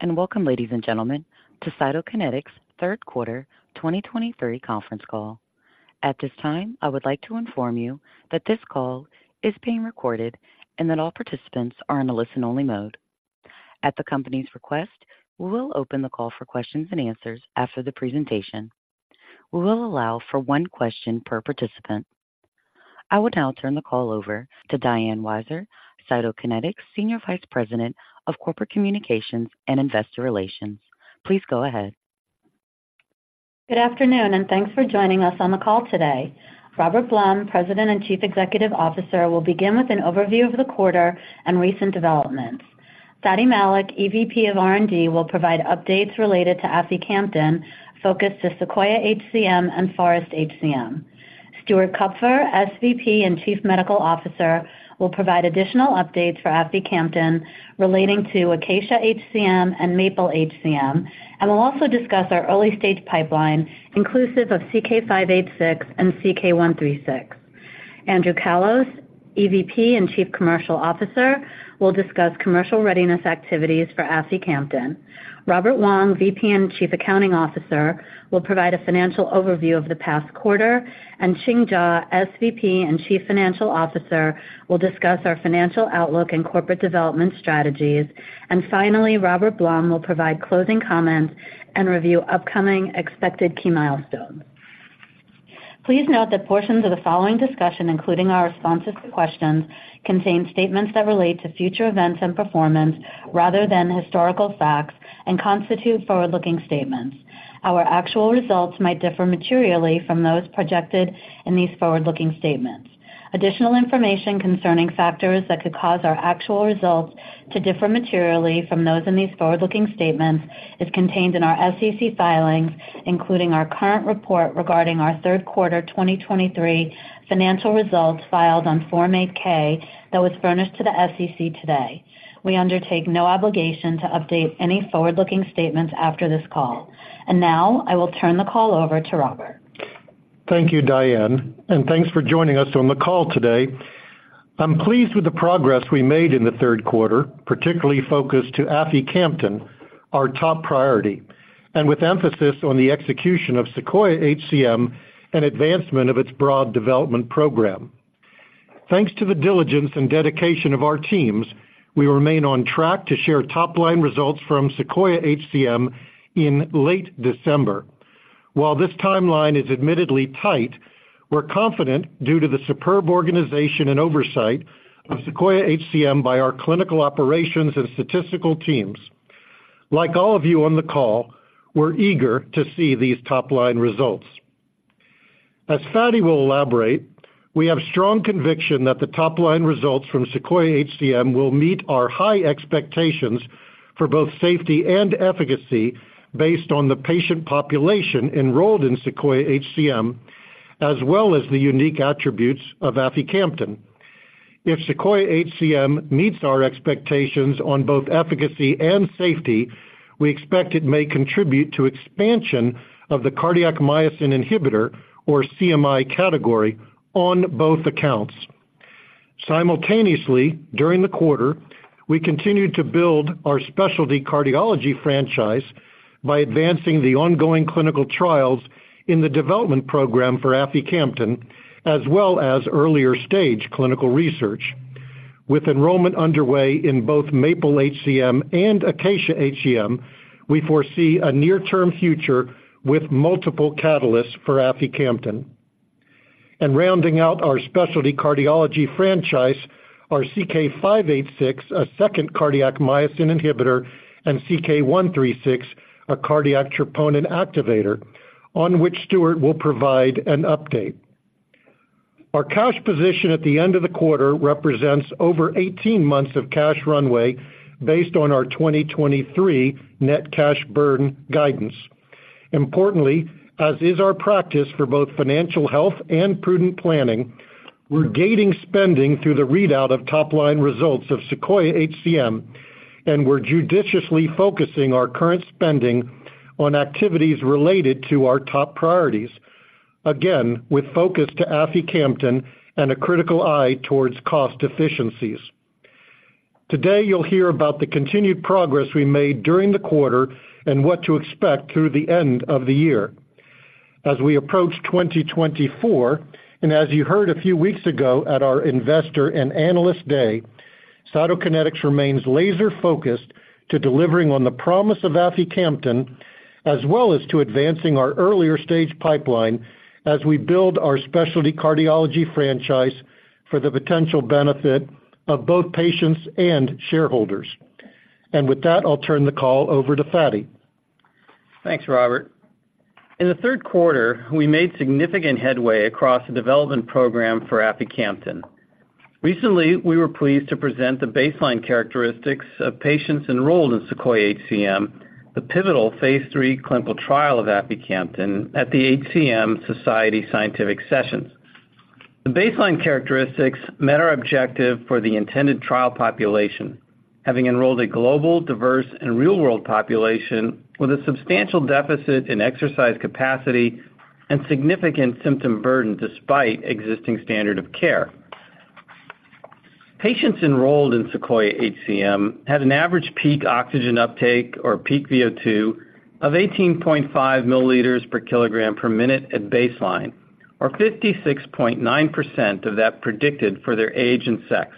Good afternoon, and welcome, ladies and gentlemen, to Cytokinetics' third quarter 2023 conference call. At this time, I would like to inform you that this call is being recorded and that all participants are in a listen-only mode. At the company's request, we will open the call for questions and answers after the presentation. We will allow for one question per participant. I will now turn the call over to Diane Weiser, Cytokinetics' Senior Vice President of Corporate Communications and Investor Relations. Please go ahead. Good afternoon, and thanks for joining us on the call today. Robert Blum, President and Chief Executive Officer, will begin with an overview of the quarter and recent developments. Fady Malik, EVP of R&D, will provide updates related to aficamten, focused to SEQUOIA-HCM and FOREST-HCM. Stuart Kupfer, SVP and Chief Medical Officer, will provide additional updates for aficamten relating to ACACIA-HCM and MAPLE-HCM, and will also discuss our early-stage pipeline, inclusive of CK-586 and CK-136. Andrew Callos, EVP and Chief Commercial Officer, will discuss commercial readiness activities for aficamten. Robert Wong, VP and Chief Accounting Officer, will provide a financial overview of the past quarter, and Ching Jaw, SVP and Chief Financial Officer, will discuss our financial outlook and corporate development strategies. And finally, Robert Blum will provide closing comments and review upcoming expected key milestones. Please note that portions of the following discussion, including our responses to questions, contain statements that relate to future events and performance rather than historical facts and constitute forward-looking statements. Our actual results might differ materially from those projected in these forward-looking statements. Additional information concerning factors that could cause our actual results to differ materially from those in these forward-looking statements is contained in our SEC filings, including our current report regarding our third quarter 2023 financial results filed on Form 8-K that was furnished to the SEC today. We undertake no obligation to update any forward-looking statements after this call. And now, I will turn the call over to Robert. Thank you, Diane, and thanks for joining us on the call today. I'm pleased with the progress we made in the third quarter, particularly focused to aficamten, our top priority, and with emphasis on the execution of SEQUOIA-HCM and advancement of its broad development program. Thanks to the diligence and dedication of our teams, we remain on track to share top-line results from SEQUOIA-HCM in late December. While this timeline is admittedly tight, we're confident due to the superb organization and oversight of SEQUOIA-HCM by our clinical operations and statistical teams. Like all of you on the call, we're eager to see these top-line results. As Fady will elaborate, we have strong conviction that the top-line results from SEQUOIA-HCM will meet our high expectations for both safety and efficacy based on the patient population enrolled in SEQUOIA-HCM, as well as the unique attributes of aficamten. If SEQUOIA-HCM meets our expectations on both efficacy and safety, we expect it may contribute to expansion of the cardiac myosin inhibitor, or CMI category, on both accounts. Simultaneously, during the quarter, we continued to build our specialty cardiology franchise by advancing the ongoing clinical trials in the development program for aficamten, as well as earlier-stage clinical research. With enrollment underway in both MAPLE-HCM and ACACIA-HCM, we foresee a near-term future with multiple catalysts for aficamten. And rounding out our specialty cardiology franchise are CK-586, a second cardiac myosin inhibitor, and CK-136, a cardiac troponin activator, on which Stuart will provide an update. Our cash position at the end of the quarter represents over 18 months of cash runway based on our 2023 net cash burn guidance. Importantly, as is our practice for both financial health and prudent planning, we're gating spending through the readout of top-line results of SEQUOIA-HCM, and we're judiciously focusing our current spending on activities related to our top priorities. Again, with focus to aficamten and a critical eye towards cost efficiencies. Today, you'll hear about the continued progress we made during the quarter and what to expect through the end of the year. As we approach 2024, and as you heard a few weeks ago at our Investor and Analyst Day, Cytokinetics remains laser-focused to delivering on the promise of aficamten, as well as to advancing our earlier stage pipeline as we build our specialty cardiology franchise for the potential benefit of both patients and shareholders. With that, I'll turn the call over to Fady. Thanks, Robert. In the third quarter, we made significant headway across the development program for aficamten. Recently, we were pleased to present the baseline characteristics of patients enrolled in SEQUOIA-HCM, the pivotal phase III clinical trial of aficamten at the HCM Society Scientific Sessions. The baseline characteristics met our objective for the intended trial population, having enrolled a global, diverse, and real-world population with a substantial deficit in exercise capacity and significant symptom burden despite existing standard of care.... Patients enrolled in SEQUOIA-HCM had an average peak oxygen uptake, or peak VO2, of 18.5 milliliters per kilogram per minute at baseline, or 56.9% of that predicted for their age and sex,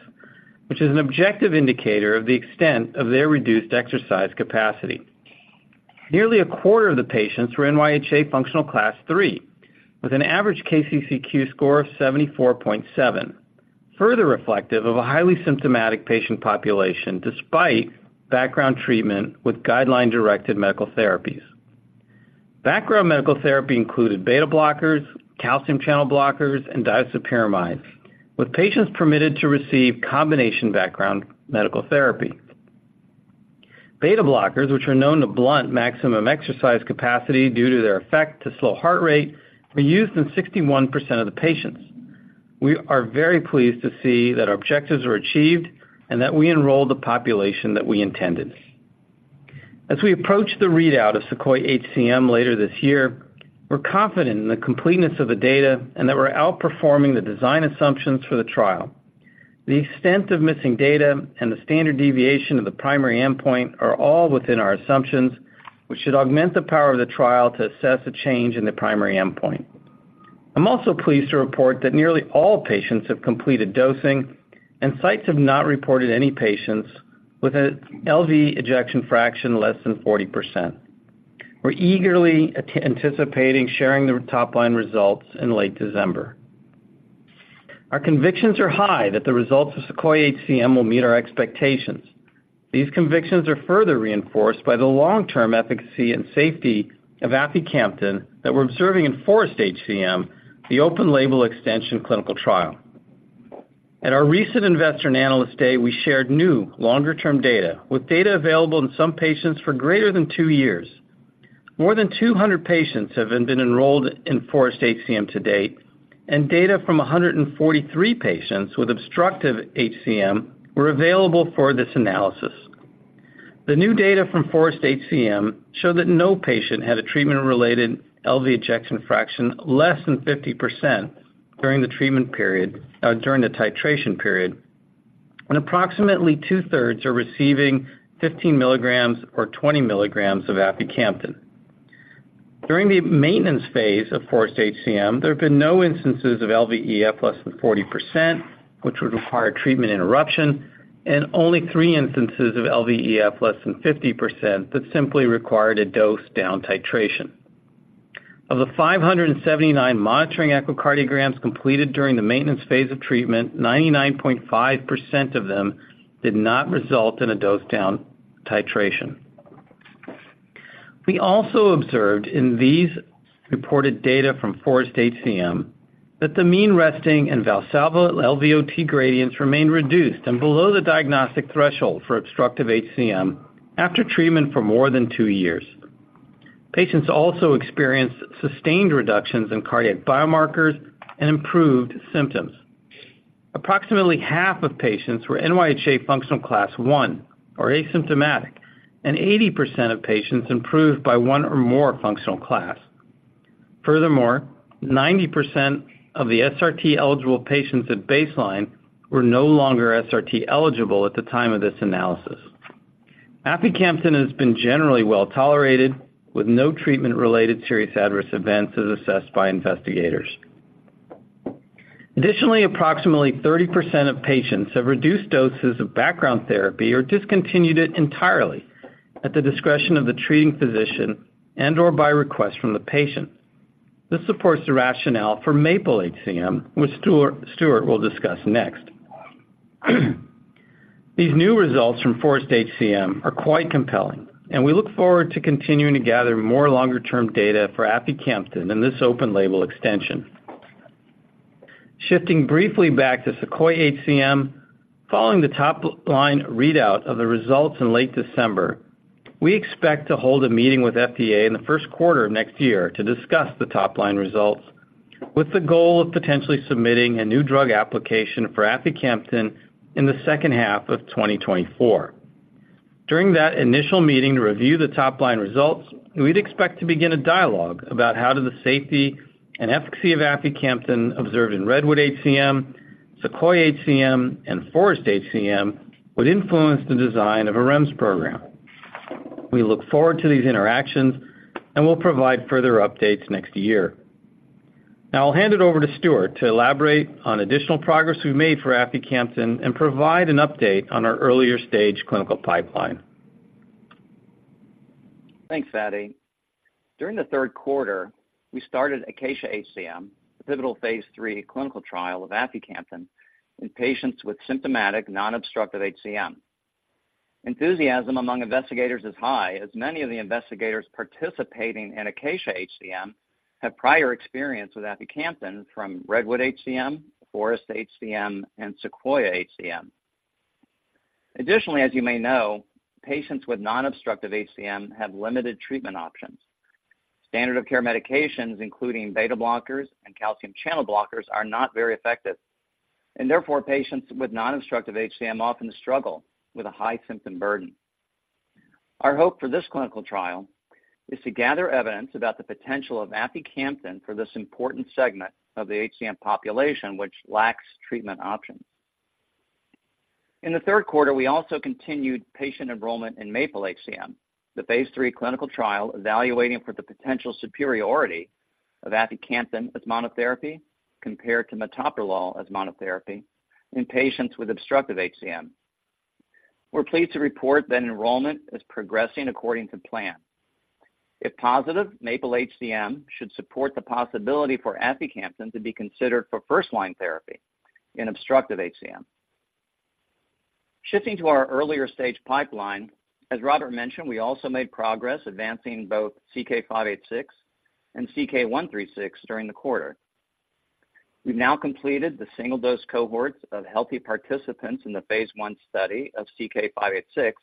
which is an objective indicator of the extent of their reduced exercise capacity. Nearly a quarter of the patients were NYHA functional class III, with an average KCCQ score of 74.7, further reflective of a highly symptomatic patient population, despite background treatment with guideline-directed medical therapies. Background medical therapy included beta blockers, calcium channel blockers, and disopyramide, with patients permitted to receive combination background medical therapy. Beta blockers, which are known to blunt maximum exercise capacity due to their effect to slow heart rate, were used in 61% of the patients. We are very pleased to see that our objectives were achieved and that we enrolled the population that we intended. As we approach the readout of SEQUOIA-HCM later this year, we're confident in the completeness of the data and that we're outperforming the design assumptions for the trial. The extent of missing data and the standard deviation of the primary endpoint are all within our assumptions, which should augment the power of the trial to assess a change in the primary endpoint. I'm also pleased to report that nearly all patients have completed dosing and sites have not reported any patients with an LV ejection fraction less than 40%. We're eagerly anticipating sharing the top-line results in late December. Our convictions are high that the results of SEQUOIA-HCM will meet our expectations. These convictions are further reinforced by the long-term efficacy and safety of aficamten that we're observing in FOREST-HCM, the open label extension clinical trial. At our recent Investor and Analyst Day, we shared new longer-term data, with data available in some patients for greater than 2 years. More than 200 patients have been enrolled in FOREST-HCM to date, and data from 143 patients with obstructive HCM were available for this analysis. The new data from FOREST-HCM showed that no patient had a treatment-related LV ejection fraction less than 50% during the treatment period, during the titration period. Approximately two-thirds are receiving 15 mg or 20 mg of aficamten. During the maintenance phase of FOREST-HCM, there have been no instances of LVEF less than 40%, which would require treatment interruption, and only 3 instances of LVEF less than 50%, that simply required a dose-down titration. Of the 579 monitoring echocardiograms completed during the maintenance phase of treatment, 99.5% of them did not result in a dose-down titration. We also observed in these reported data from FOREST-HCM that the mean resting and Valsalva LVOT gradients remained reduced and below the diagnostic threshold for obstructive HCM after treatment for more than 2 years. Patients also experienced sustained reductions in cardiac biomarkers and improved symptoms. Approximately half of patients were NYHA functional Class 1, or asymptomatic, and 80% of patients improved by 1 or more functional class. Furthermore, 90% of the SRT-eligible patients at baseline were no longer SRT-eligible at the time of this analysis. aficamten has been generally well-tolerated, with no treatment-related serious adverse events, as assessed by investigators. Additionally, approximately 30% of patients have reduced doses of background therapy or discontinued it entirely, at the discretion of the treating physician and/or by request from the patient. This supports the rationale for MAPLE-HCM, which Stuart will discuss next. These new results from FOREST-HCM are quite compelling, and we look forward to continuing to gather more longer-term data for aficamten in this open-label extension. Shifting briefly back to SEQUOIA-HCM, following the top-line readout of the results in late December, we expect to hold a meeting with FDA in the first quarter of next year to discuss the top-line results, with the goal of potentially submitting a new drug application for aficamten in the second half of 2024. During that initial meeting to review the top-line results, we'd expect to begin a dialogue about how do the safety and efficacy of aficamten observed in REDWOOD-HCM, SEQUOIA-HCM, and FOREST-HCM would influence the design of a REMS program. We look forward to these interactions, and we'll provide further updates next year. Now I'll hand it over to Stuart to elaborate on additional progress we've made for aficamten and provide an update on our earlier stage clinical pipeline. Thanks, Fady. During the third quarter, we started ACACIA-HCM, the pivotal phase III clinical trial of aficamten in patients with symptomatic non-obstructive HCM. Enthusiasm among investigators is high, as many of the investigators participating in ACACIA-HCM have prior experience with aficamten from REDWOOD-HCM, FOREST-HCM, and SEQUOIA-HCM. Additionally, as you may know, patients with non-obstructive HCM have limited treatment options. Standard of care medications, including beta blockers and calcium channel blockers, are not very effective, and therefore, patients with non-obstructive HCM often struggle with a high symptom burden....Our hope for this clinical trial is to gather evidence about the potential of aficamten for this important segment of the HCM population, which lacks treatment options. In the third quarter, we also continued patient enrollment in MAPLE-HCM, the phase III clinical trial evaluating for the potential superiority of aficamten as monotherapy compared to metoprolol as monotherapy in patients with obstructive HCM. We're pleased to report that enrollment is progressing according to plan. If positive, MAPLE-HCM should support the possibility for aficamten to be considered for first-line therapy in obstructive HCM. Shifting to our earlier stage pipeline, as Robert mentioned, we also made progress advancing both CK-586 and CK-136 during the quarter. We've now completed the single-dose cohorts of healthy participants in the phase I study of CK-586,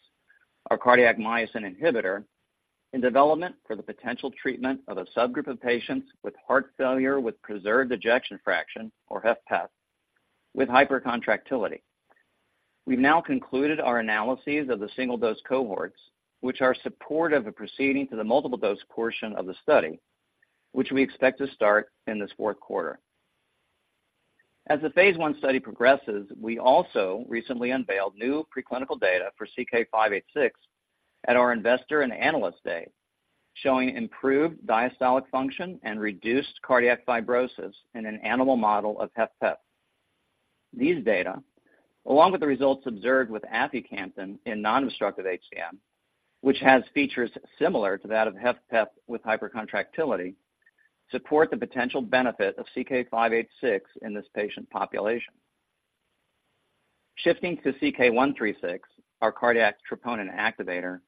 our cardiac myosin inhibitor, in development for the potential treatment of a subgroup of patients with heart failure with preserved ejection fraction, or HFpEF, with hypercontractility. We've now concluded our analyses of the single-dose cohorts, which are supportive of proceeding to the multiple-dose portion of the study, which we expect to start in this fourth quarter. As the phase I study progresses, we also recently unveiled new preclinical data for CK-586 at our Investor and Analyst Day, showing improved diastolic function and reduced cardiac fibrosis in an animal model of HFpEF. These data, along with the results observed with aficamten in non-obstructive HCM, which has features similar to that of HFpEF with hypercontractility, support the potential benefit of CK-586 in this patient population. Shifting to CK-136, our cardiac troponin activator,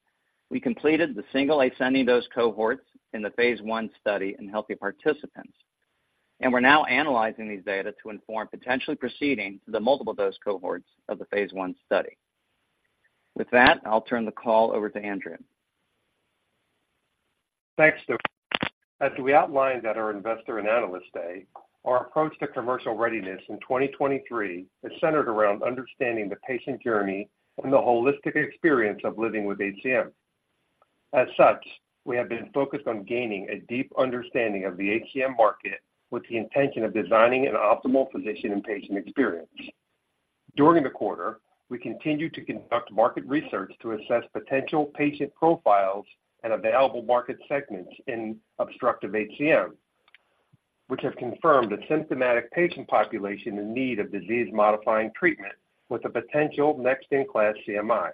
we completed the single ascending dose cohorts in the phase I study in healthy participants, and we're now analyzing these data to inform potentially proceeding to the multiple-dose cohorts of the phase I study. With that, I'll turn the call over to Andrew. Thanks, Stuart. As we outlined at our Investor and Analyst Day, our approach to commercial readiness in 2023 is centered around understanding the patient journey and the holistic experience of living with HCM. As such, we have been focused on gaining a deep understanding of the HCM market, with the intention of designing an optimal physician and patient experience. During the quarter, we continued to conduct market research to assess potential patient profiles and available market segments in obstructive HCM, which have confirmed a symptomatic patient population in need of disease-modifying treatment with a potential next-in-class CMI.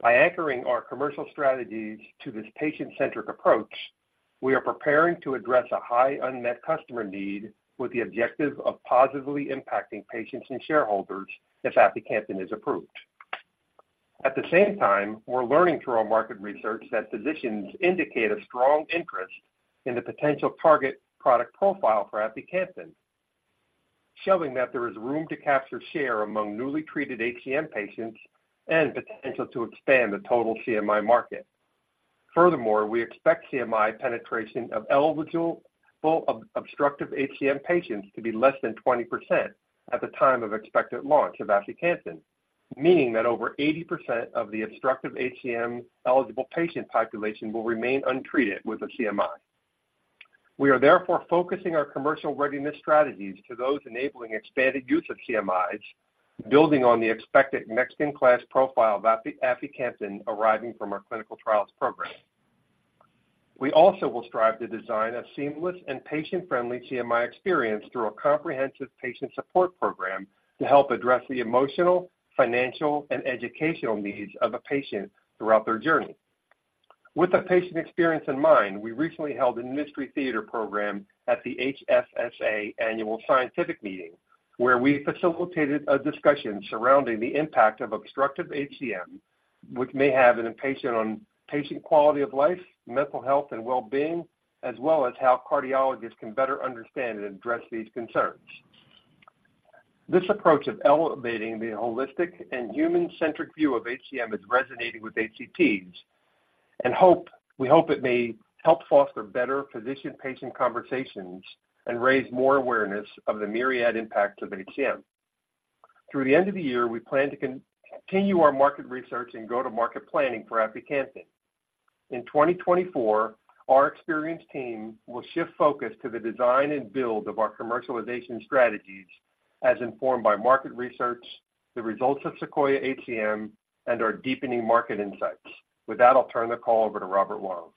By anchoring our commercial strategies to this patient-centric approach, we are preparing to address a high unmet customer need with the objective of positively impacting patients and shareholders if aficamten is approved. At the same time, we're learning through our market research that physicians indicate a strong interest in the potential target product profile for aficamten, showing that there is room to capture share among newly treated HCM patients and potential to expand the total CMI market. Furthermore, we expect CMI penetration of eligible obstructive HCM patients to be less than 20% at the time of expected launch of aficamten, meaning that over 80% of the obstructive HCM-eligible patient population will remain untreated with a CMI. We are therefore focusing our commercial readiness strategies to those enabling expanded use of CMIs, building on the expected next-in-class profile of aficamten arriving from our clinical trials program. We also will strive to design a seamless and patient-friendly CMI experience through a comprehensive patient support program to help address the emotional, financial, and educational needs of a patient throughout their journey. With the patient experience in mind, we recently held a mystery theater program at the HFSA Annual Scientific Meeting, where we facilitated a discussion surrounding the impact of obstructive HCM, which may have an impact on patient quality of life, mental health, and well-being, as well as how cardiologists can better understand and address these concerns. This approach of elevating the holistic and human-centric view of HCM is resonating with HCPs and we hope it may help foster better physician-patient conversations and raise more awareness of the myriad impacts of HCM. Through the end of the year, we plan to continue our market research and go-to-market planning for aficamten. In 2024, our experienced team will shift focus to the design and build of our commercialization strategies as informed by market research, the results of SEQUOIA-HCM, and our deepening market insights. With that, I'll turn the call over to Robert Wong.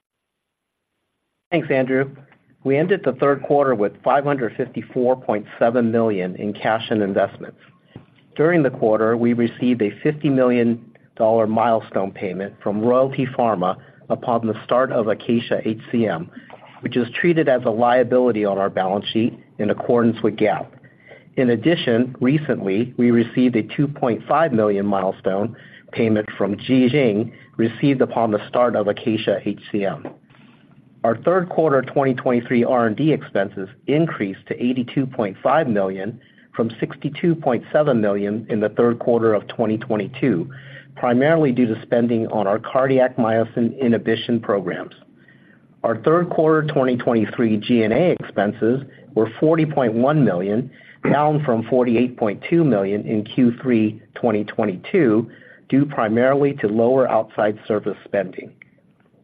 Thanks, Andrew. We ended the third quarter with $554.7 million in cash and investments. During the quarter, we received a $50 million milestone payment from Royalty Pharma upon the start of ACACIA HCM, which is treated as a liability on our balance sheet in accordance with GAAP. In addition, recently, we received a $2.5 million milestone payment from Ji Xing, received upon the start of ACAIA-HCM. Our third quarter 2023 R&D expenses increased to $82.5 million from $62.7 million in the third quarter of 2022, primarily due to spending on our cardiac myosin inhibition programs. Our third quarter 2023 G&A expenses were $40.1 million, down from $48.2 million in Q3 2022, due primarily to lower outside service spending.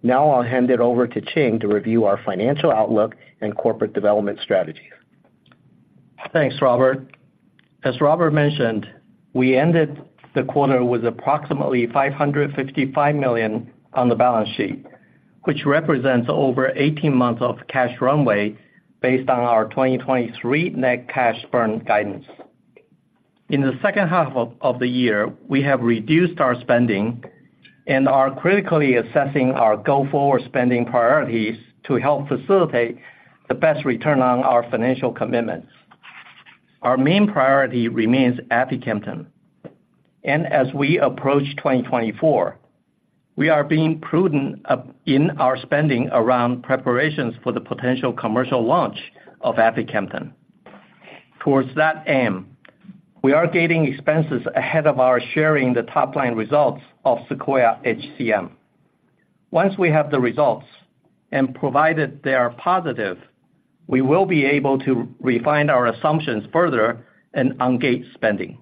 Now I'll hand it over to Ching to review our financial outlook and corporate development strategies. Thanks, Robert. As Robert mentioned, we ended the quarter with approximately $555 million on the balance sheet, which represents over 18 months of cash runway based on our 2023 net cash burn guidance. In the second half of the year, we have reduced our spending and are critically assessing our go-forward spending priorities to help facilitate the best return on our financial commitments. Our main priority remains aficamten, and as we approach 2024, we are being prudent in our spending around preparations for the potential commercial launch of aficamten. Towards that aim, we are gating expenses ahead of our sharing the top-line results of SEQUOIA-HCM. Once we have the results, and provided they are positive, we will be able to refine our assumptions further and ungate spending.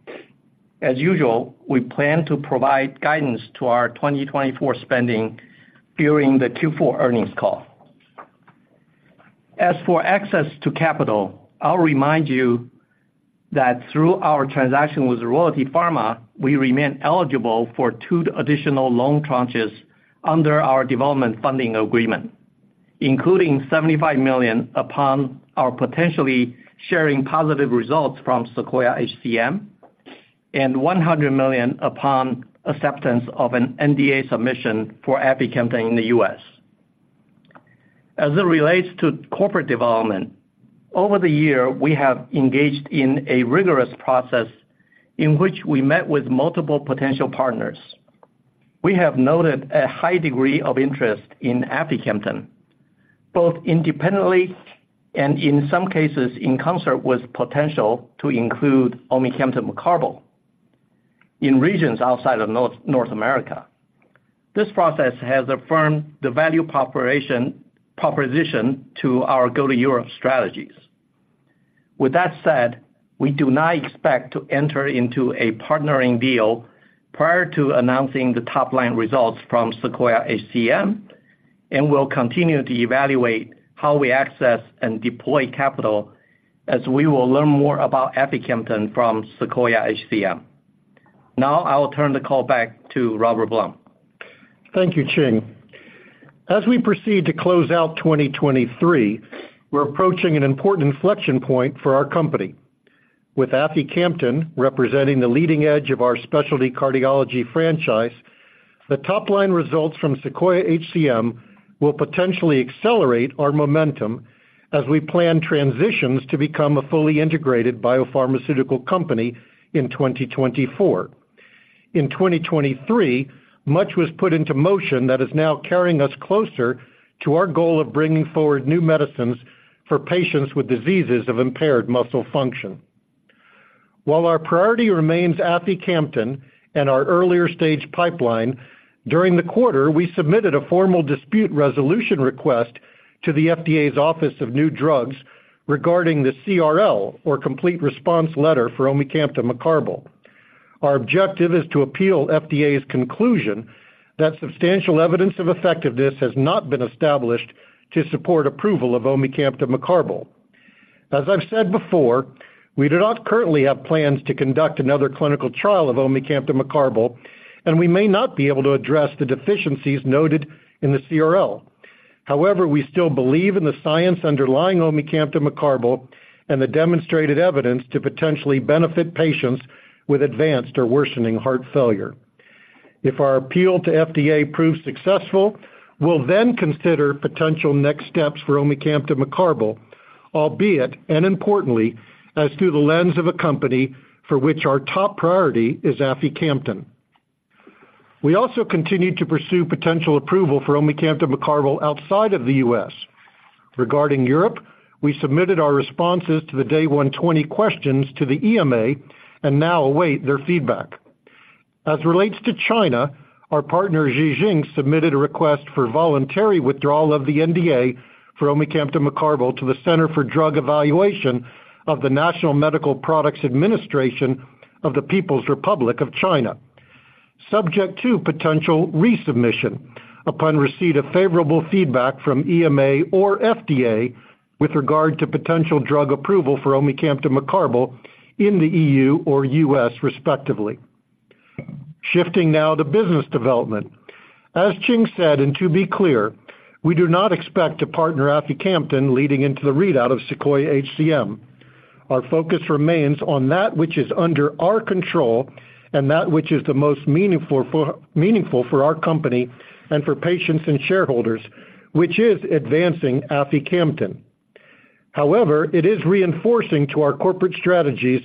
As usual, we plan to provide guidance to our 2024 spending during the Q4 earnings call. As for access to capital, I'll remind you that through our transaction with Royalty Pharma, we remain eligible for two additional loan tranches under our development funding agreement, including $75 million upon our potentially sharing positive results from SEQUOIA-HCM, and $100 million upon acceptance of an NDA submission for aficamten in the U.S. As it relates to corporate development, over the year, we have engaged in a rigorous process in which we met with multiple potential partners. We have noted a high degree of interest in aficamten, both independently and, in some cases, in concert with potential to include omecamtiv mecarbil. In regions outside of North America, this process has affirmed the value proposition to our go-to-Europe strategies. With that said, we do not expect to enter into a partnering deal prior to announcing the top-line results from SEQUOIA-HCM, and we'll continue to evaluate how we access and deploy capital as we will learn more about aficamten from SEQUOIA-HCM. Now I will turn the call back to Robert Blum. Thank you, Ching. As we proceed to close out 2023, we're approaching an important inflection point for our company. With aficamten representing the leading edge of our specialty cardiology franchise, the top-line results from SEQUOIA-HCM will potentially accelerate our momentum as we plan transitions to become a fully integrated biopharmaceutical company in 2024. In 2023, much was put into motion that is now carrying us closer to our goal of bringing forward new medicines for patients with diseases of impaired muscle function. While our priority remains aficamten and our earlier stage pipeline, during the quarter, we submitted a formal dispute resolution request to the FDA's Office of New Drugs regarding the CRL, or Complete Response Letter, for omecamtiv mecarbil. Our objective is to appeal FDA's conclusion that substantial evidence of effectiveness has not been established to support approval of omecamtiv mecarbil. As I've said before, we do not currently have plans to conduct another clinical trial of omecamtiv mecarbil, and we may not be able to address the deficiencies noted in the CRL. However, we still believe in the science underlying omecamtiv mecarbil and the demonstrated evidence to potentially benefit patients with advanced or worsening heart failure. If our appeal to FDA proves successful, we'll then consider potential next steps for omecamtiv mecarbil, albeit, and importantly, as through the lens of a company for which our top priority is aficamten. We also continued to pursue potential approval for omecamtiv mecarbil outside of the U.S. Regarding Europe, we submitted our responses to the Day 120 questions to the EMA and now await their feedback. As relates to China, our partner, Ji Xing, submitted a request for voluntary withdrawal of the NDA for omecamtiv mecarbil to the Center for Drug Evaluation of the National Medical Products Administration of the People's Republic of China, subject to potential resubmission upon receipt of favorable feedback from EMA or FDA with regard to potential drug approval for omecamtiv mecarbil in the E.U. or U.S., respectively. Shifting now to business development. As Ching said, and to be clear, we do not expect to partner aficamten leading into the readout of SEQUOIA-HCM. Our focus remains on that which is under our control and that which is the most meaningful for, meaningful for our company and for patients and shareholders, which is advancing aficamten. However, it is reinforcing to our corporate strategies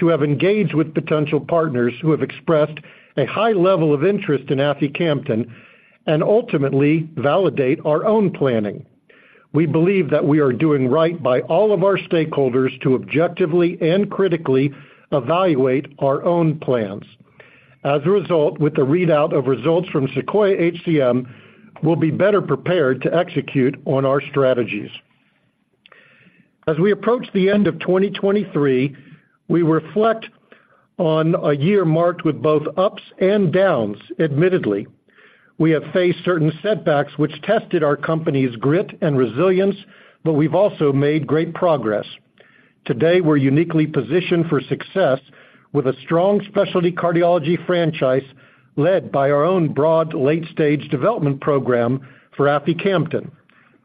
to have engaged with potential partners who have expressed a high level of interest in aficamten and ultimately validate our own planning. We believe that we are doing right by all of our stakeholders to objectively and critically evaluate our own plans. As a result, with the readout of results from SEQUOIA-HCM, we'll be better prepared to execute on our strategies. As we approach the end of 2023, we reflect on a year marked with both ups and downs, admittedly. We have faced certain setbacks which tested our company's grit and resilience, but we've also made great progress. Today, we're uniquely positioned for success with a strong specialty cardiology franchise led by our own broad late-stage development program for aficamten,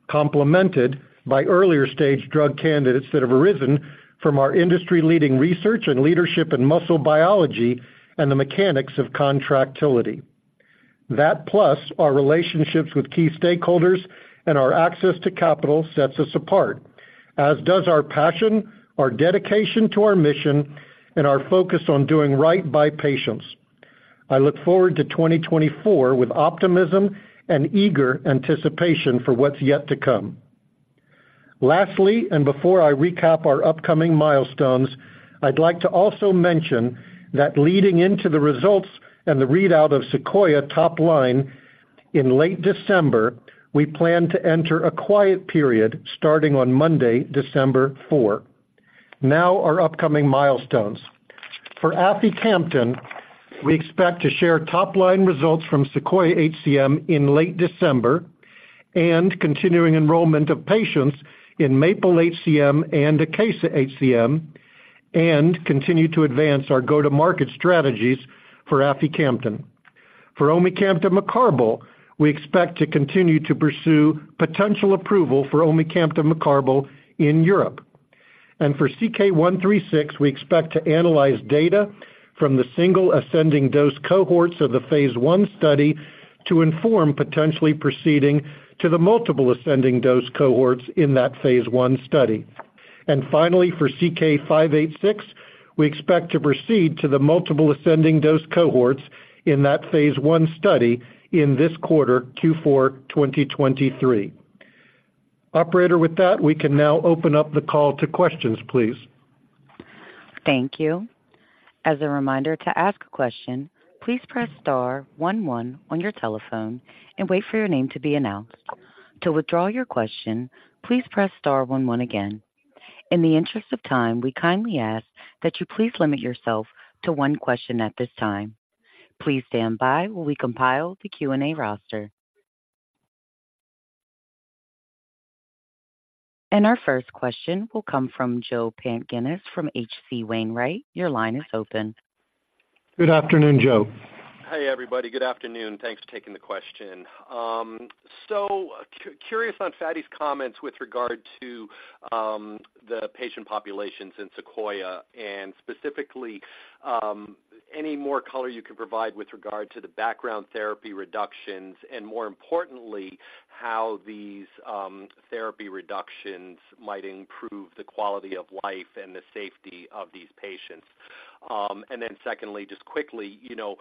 complemented by earlier-stage drug candidates that have arisen from our industry-leading research and leadership in muscle biology and the mechanics of contractility. That, plus our relationships with key stakeholders and our access to capital, sets us apart, as does our passion, our dedication to our mission, and our focus on doing right by patients. I look forward to 2024 with optimism and eager anticipation for what's yet to come. Lastly, before I recap our upcoming milestones, I'd like to also mention that leading into the results and the readout of SEQUOIA-HCM top-line in late December, we plan to enter a quiet period starting on Monday, December 4. Now, our upcoming milestones. For aficamten, we expect to share top-line results from SEQUOIA-HCM in late December and continuing enrollment of patients in MAPLE-HCM and ACACIA-HCM, and continue to advance our go-to-market strategies for aficamten. For omecamtiv mecarbil, we expect to continue to pursue potential approval for omecamtiv mecarbil in Europe. For CK-136, we expect to analyze data from the single ascending dose cohorts of the phase I study to inform potentially proceeding to the multiple ascending dose cohorts in that phase I study. Finally, for CK-586, we expect to proceed to the multiple ascending dose cohorts in that phase I study in this quarter, Q4 2023. Operator, with that, we can now open up the call to questions, please. Thank you. As a reminder, to ask a question, please press star one one on your telephone and wait for your name to be announced. To withdraw your question, please press star one one again. In the interest of time, we kindly ask that you please limit yourself to one question at this time. Please stand by while we compile the Q&A roster. Our first question will come from Joe Pantginis from H.C. Wainwright. Your line is open. Good afternoon, Joe. Hi, everybody. Good afternoon. Thanks for taking the question. So curious on Fady's comments with regard to the patient populations in SEQUOIA, and specifically any more color you could provide with regard to the background therapy reductions, and more importantly, how these therapy reductions might improve the quality of life and the safety of these patients? And then secondly, just quickly, you know,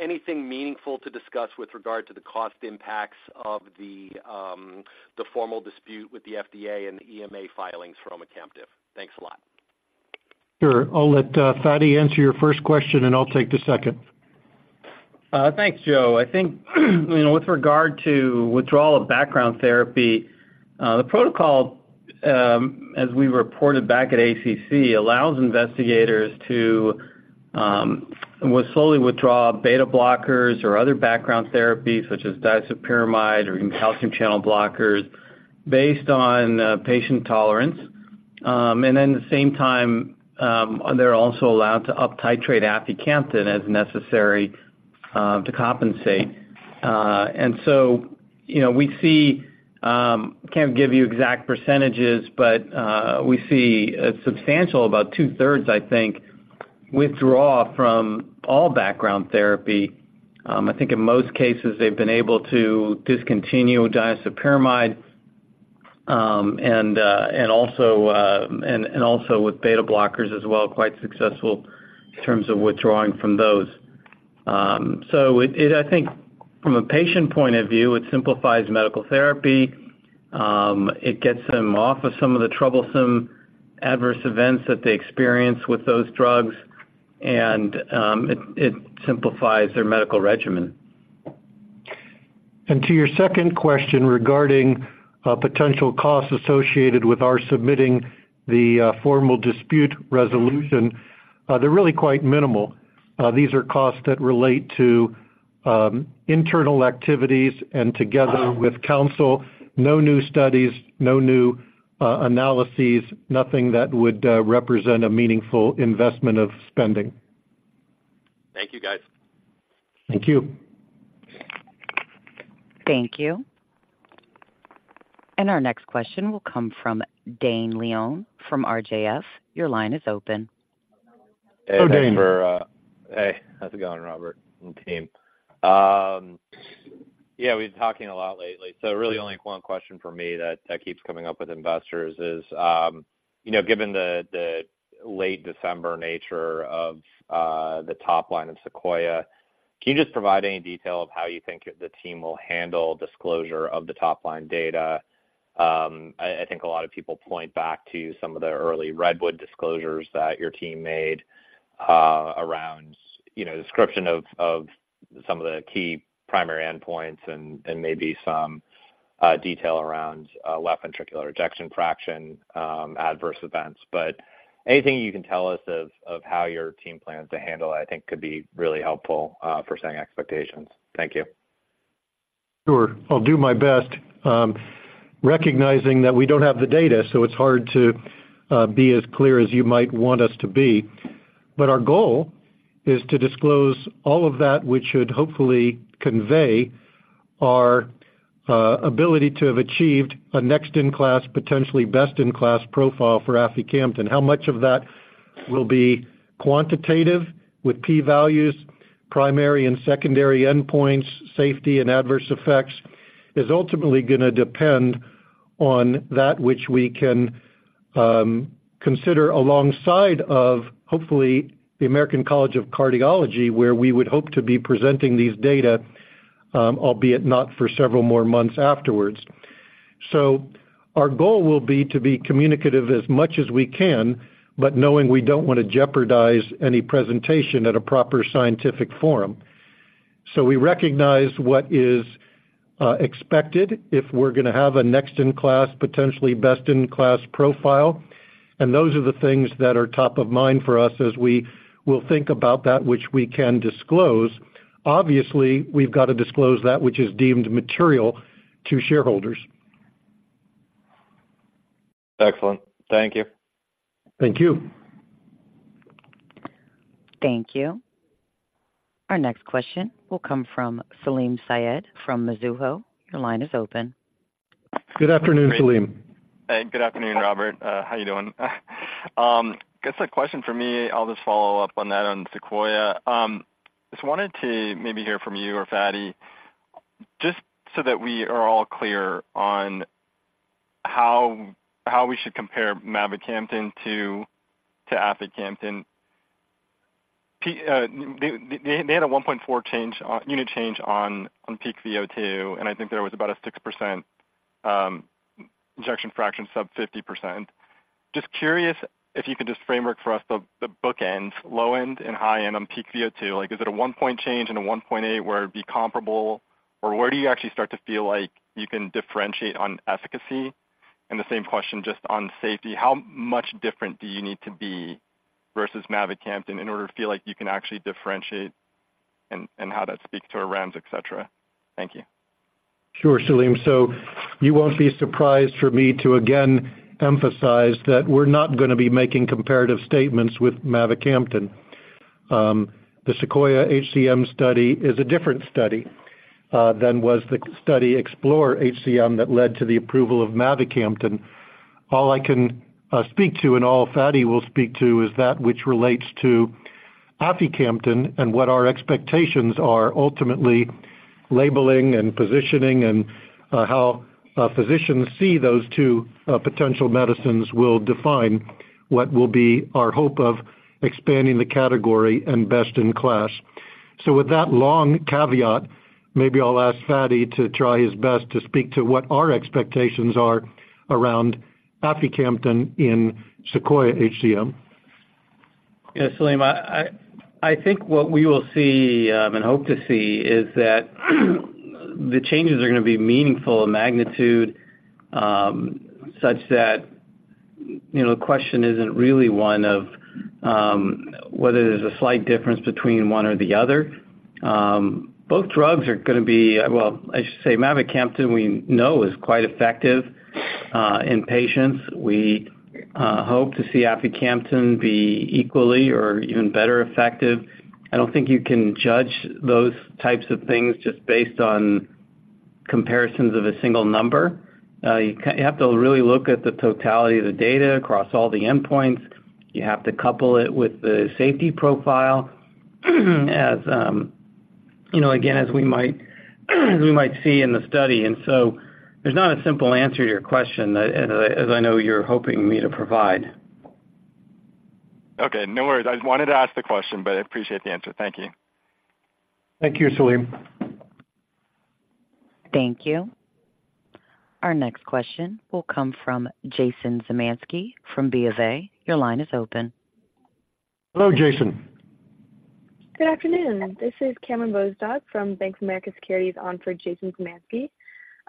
anything meaningful to discuss with regard to the cost impacts of the formal dispute with the FDA and the EMA filings for omecamtiv? Thanks a lot. Sure. I'll let Fady answer your first question, and I'll take the second. Thanks, Joe. I think, you know, with regard to withdrawal of background therapy, the protocol, as we reported back at ACC, allows investigators to, well, slowly withdraw beta blockers or other background therapies, such as disopyramide or calcium channel blockers, based on, patient tolerance. And then at the same time, they're also allowed to uptitrate aficamten as necessary, to compensate. And so, you know, we see, can't give you exact percentages, but, we see a substantial, about two-thirds, I think, withdraw from all background therapy. I think in most cases, they've been able to discontinue disopyramide, and, and also with beta blockers as well, quite successful in terms of withdrawing from those. So, I think from a patient point of view, it simplifies medical therapy, it gets them off of some of the troublesome adverse events that they experience with those drugs, and it simplifies their medical regimen. To your second question regarding potential costs associated with our submitting the formal dispute resolution, they're really quite minimal. These are costs that relate to internal activities and together with counsel, no new studies, no new analyses, nothing that would represent a meaningful investment of spending. Thank you, guys. Thank you. Thank you. And our next question will come from Dane Leone from RJF. Your line is open. Hi, Dane. Hey, how's it going, Robert and team? Yeah, we've been talking a lot lately, so really only one question for me that keeps coming up with investors is, you know, given the late December nature of the top line of SEQUOIA, can you just provide any detail of how you think the team will handle disclosure of the top-line data? I think a lot of people point back to some of the early Redwood disclosures that your team made, around, you know, description of some of the key primary endpoints and maybe some detail around left ventricular ejection fraction, adverse events. But anything you can tell us of how your team plans to handle, I think could be really helpful for setting expectations. Thank you. Sure. I'll do my best, recognizing that we don't have the data, so it's hard to be as clear as you might want us to be. But our goal is to disclose all of that which should hopefully convey our ability to have achieved a next-in-class, potentially best-in-class profile for aficamten. How much of that will be quantitative with p values, primary and secondary endpoints, safety and adverse effects, is ultimately gonna depend on that which we can consider alongside of, hopefully, the American College of Cardiology, where we would hope to be presenting these data, albeit not for several more months afterwards. So our goal will be to be communicative as much as we can, but knowing we don't want to jeopardize any presentation at a proper scientific forum. We recognize what is expected if we're gonna have a next-in-class, potentially best-in-class profile, and those are the things that are top of mind for us as we will think about that, which we can disclose. Obviously, we've got to disclose that which is deemed material to shareholders. Excellent. Thank you. Thank you. Thank you. Our next question will come from Salim Syed from Mizuho. Your line is open. Good afternoon, Salim. Hey, good afternoon, Robert. How you doing? I guess a question for me, I'll just follow up on that on SEQUOIA-HCM. Just wanted to maybe hear from you or Fady, just so that we are all clear on how we should compare mavacamten to aficamten. They had a 1.4 change, unit change on peak VO2, and I think there was about a 6%, ejection fraction sub 50%. Just curious if you could just framework for us the bookends, low end and high end on peak VO2. Like, is it a 1-point change and a 1.8, where it'd be comparable? Or where do you actually start to feel like you can differentiate on efficacy? And the same question, just on safety. How much different do you need to be versus mavacamten in order to feel like you can actually differentiate and how that speaks to our REMS, et cetera? Thank you. Sure, Salim. So you won't be surprised for me to again emphasize that we're not gonna be making comparative statements with mavacamten. The SEQUOIA-HCM study is a different study than was the study EXPLORER-HCM, that led to the approval of mavacamten. All I can speak to and all Fady will speak to is that which relates to aficamten and what our expectations are ultimately labeling and positioning and how physicians see those two potential medicines will define what will be our hope of expanding the category and best-in-class. So with that long caveat, maybe I'll ask Fady to try his best to speak to what our expectations are around aficamten in SEQUOIA-HCM. Yes, Salim. I think what we will see, and hope to see is that the changes are gonna be meaningful in magnitude, such that, you know, the question isn't really one of, whether there's a slight difference between one or the other. Both drugs are gonna be... Well, I should say mavacamten, we know is quite effective, in patients. We hope to see aficamten be equally or even better effective. I don't think you can judge those types of things just based on comparisons of a single number. You have to really look at the totality of the data across all the endpoints. You have to couple it with the safety profile, as, you know, again, as we might see in the study. There's not a simple answer to your question, as I know you're hoping me to provide. Okay, no worries. I just wanted to ask the question, but I appreciate the answer. Thank you. Thank you, Salim. Thank you. Our next question will come from Jason Zemansky from BofA. Your line is open. Hello, Jason. Good afternoon. This is Cameron Bozdog from Bank of America Securities on for Jason Zemansky.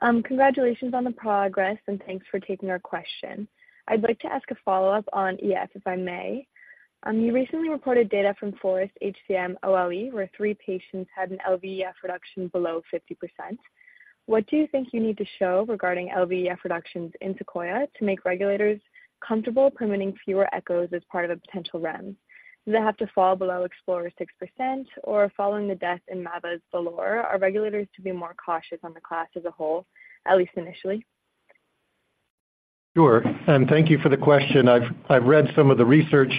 Congratulations on the progress, and thanks for taking our question. I'd like to ask a follow-up on EF, if I may. You recently reported data from FOREST-HCM OLE, where three patients had an LV EF reduction below 50%. What do you think you need to show regarding LV EF reductions in SEQUOIA-HCM to make regulators comfortable permitting fewer echos as part of a potential REMS? Do they have to fall below EXPLORER-HCM's 6%, or following the death in mavacamten's VALOR-HCM, are regulators to be more cautious on the class as a whole, at least initially? Sure, and thank you for the question. I've read some of the research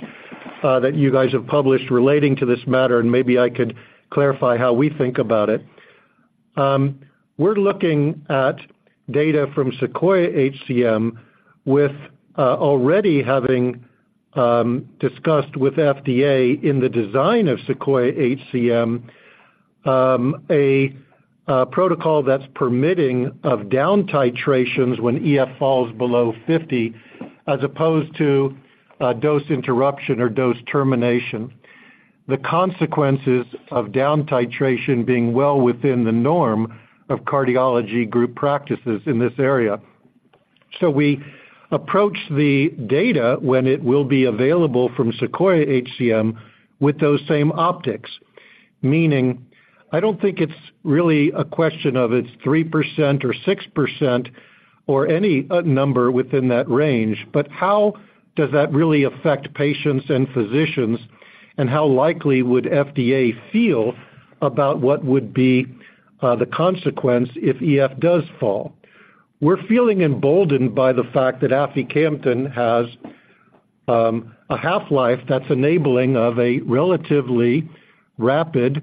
that you guys have published relating to this matter, and maybe I could clarify how we think about it. We're looking at data from SEQUOIA-HCM with already having discussed with FDA in the design of SEQUOIA-HCM, a protocol that's permitting of down titrations when EF falls below 50, as opposed to a dose interruption or dose termination. The consequences of down titration being well within the norm of cardiology group practices in this area. So we approach the data when it will be available from SEQUOIA-HCM with those same optics, meaning I don't think it's really a question of it's 3% or 6% or any number within that range, but how does that really affect patients and physicians? How likely would FDA feel about what would be the consequence if EF does fall? We're feeling emboldened by the fact that aficamten has a half-life that's enabling of a relatively rapid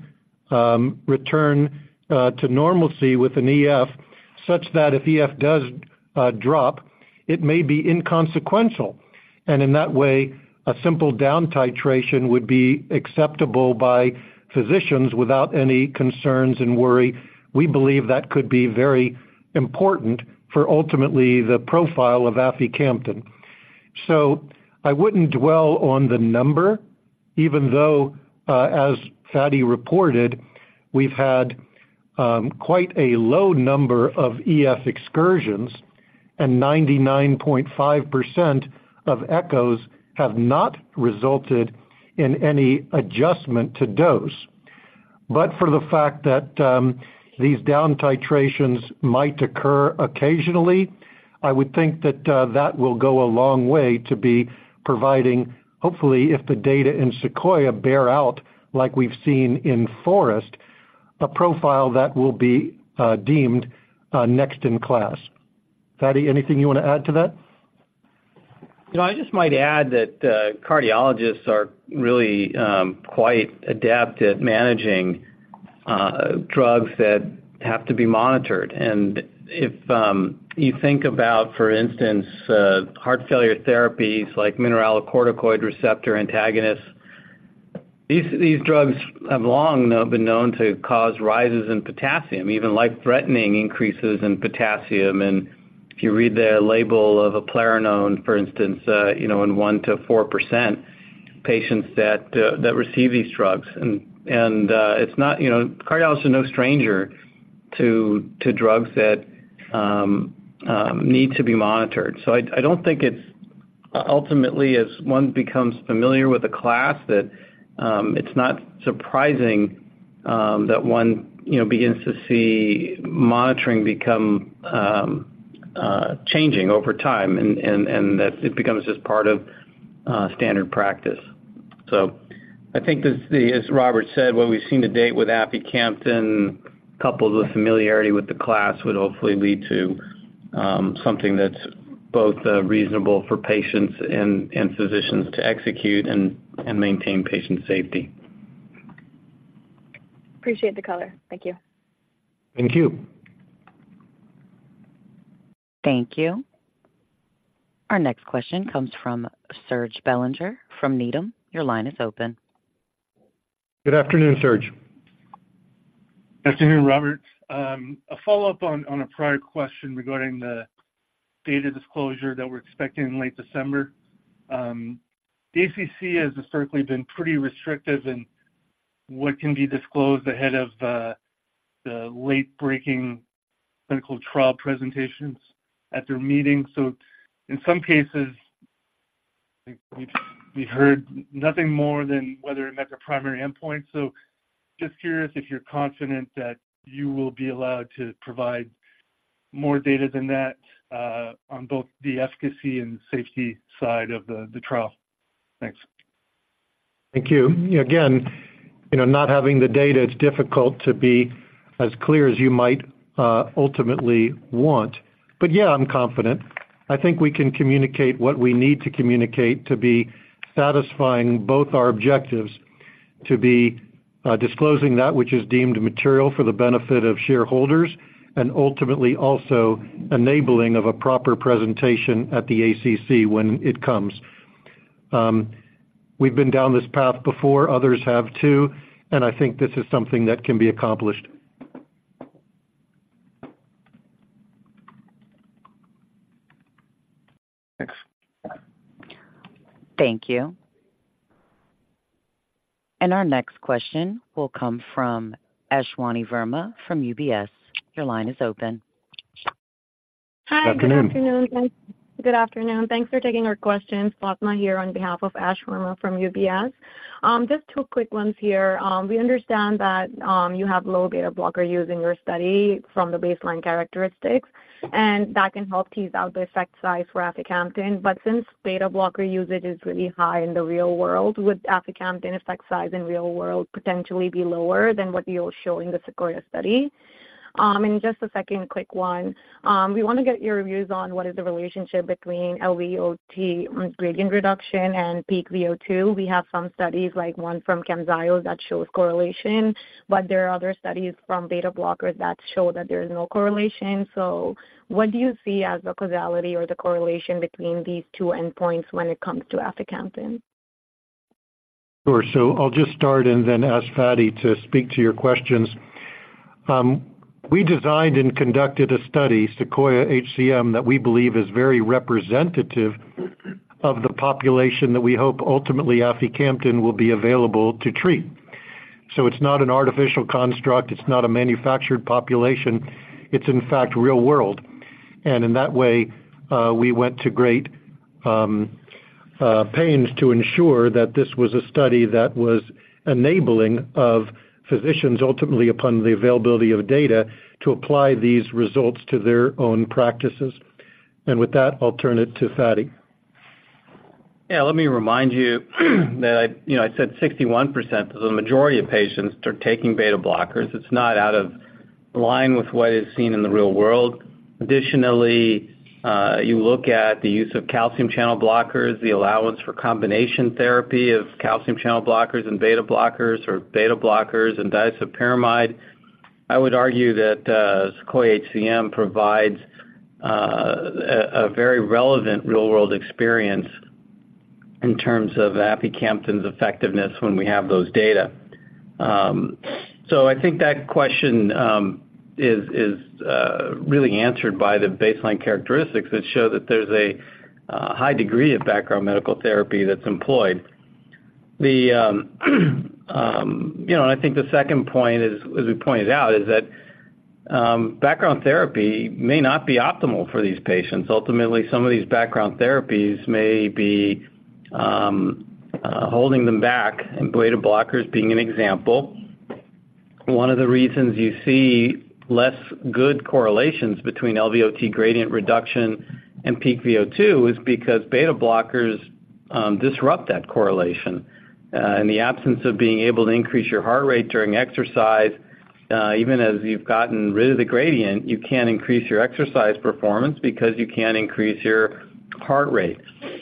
return to normalcy with an EF, such that if EF does drop, it may be inconsequential. And in that way, a simple down titration would be acceptable by physicians without any concerns and worry. We believe that could be very important for ultimately the profile of aficamten. So I wouldn't dwell on the number, even though as Fady reported, we've had quite a low number of EF excursions, and 99.5% of echos have not resulted in any adjustment to dose. But for the fact that these down titrations might occur occasionally, I would think that that will go a long way to be providing, hopefully, if the data in SEQUOIA bear out like we've seen in Forest, a profile that will be deemed next in class. Fady, anything you want to add to that? You know, I just might add that, cardiologists are really, quite adept at managing, drugs that have to be monitored. And if you think about, for instance, heart failure therapies like mineralocorticoid receptor antagonists, these, these drugs have long been known to cause rises in potassium, even life-threatening increases in potassium. And if you read the label of eplerenone, for instance, you know, in 1%-4% patients that, that receive these drugs. And, and, it's not, you know, cardiologist are no stranger to, to drugs that, need to be monitored. So I, I don't think it's ultimately as one becomes familiar with the class, that, it's not surprising, that one, you know, begins to see monitoring become, changing over time and, and, and that it becomes just part of, standard practice. So I think this, as Robert said, what we've seen to date with aficamten, coupled with familiarity with the class, would hopefully lead to something that's both reasonable for patients and physicians to execute and maintain patient safety. Appreciate the color. Thank you. Thank you. Thank you. Our next question comes from Serge Belanger from Needham. Your line is open. Good afternoon, Serge. Good afternoon, Robert. A follow-up on a prior question regarding the data disclosure that we're expecting in late December. The ACC has historically been pretty restrictive in what can be disclosed ahead of the late-breaking clinical trial presentations at their meeting. So in some cases, we heard nothing more than whether it met the primary endpoint. So just curious if you're confident that you will be allowed to provide more data than that on both the efficacy and safety side of the trial. Thanks. Thank you. Again, you know, not having the data, it's difficult to be as clear as you might ultimately want. But yeah, I'm confident. I think we can communicate what we need to communicate to be satisfying both our objectives, to be disclosing that which is deemed material for the benefit of shareholders, and ultimately also enabling of a proper presentation at the ACC when it comes. We've been down this path before, others have too, and I think this is something that can be accomplished. Thanks. Thank you. Our next question will come from Ashwani Verma from UBS. Your line is open. Good afternoon. Hi, good afternoon, guys. Good afternoon. Thanks for taking our questions. Padma here on behalf of Ash Verma from UBS. Just two quick ones here. We understand that you have low beta blocker usage in your study from the baseline characteristics, and that can help tease out the effect size for aficamten. But since beta blocker usage is really high in the real world, would aficamten effect size in real world potentially be lower than what you're showing in the SEQUOIA study? And just a second quick one. We want to get your views on what is the relationship between LVOT gradient reduction and peak VO2. We have some studies, like one from Camzyos, that shows correlation, but there are other studies from beta blockers that show that there is no correlation. What do you see as the causality or the correlation between these two endpoints when it comes to aficamten? Sure. So I'll just start and then ask Fady to speak to your questions. We designed and conducted a study, SEQUOIA-HCM, that we believe is very representative of the population that we hope ultimately aficamten will be available to treat. So it's not an artificial construct, it's not a manufactured population. It's in fact, real world. And in that way, we went to great pains to ensure that this was a study that was enabling of physicians, ultimately, upon the availability of data, to apply these results to their own practices. And with that, I'll turn it to Fady. Yeah, let me remind you, that I, you know, I said 61% of the majority of patients are taking beta blockers. It's not out of line with what is seen in the real world. Additionally, you look at the use of calcium channel blockers, the allowance for combination therapy of calcium channel blockers and beta blockers, or beta blockers and disopyramide. I would argue that, SEQUOIA-HCM provides, a very relevant real-world experience in terms of aficamten's effectiveness when we have those data. So I think that question, is really answered by the baseline characteristics that show that there's a, high degree of background medical therapy that's employed. The, you know, and I think the second point is, as we pointed out, is that, background therapy may not be optimal for these patients. Ultimately, some of these background therapies may be holding them back, and beta blockers being an example. One of the reasons you see less good correlations between LVOT gradient reduction and peak VO2 is because beta blockers disrupt that correlation, and the absence of being able to increase your heart rate during exercise, even as you've gotten rid of the gradient, you can't increase your exercise performance because you can't increase your heart rate.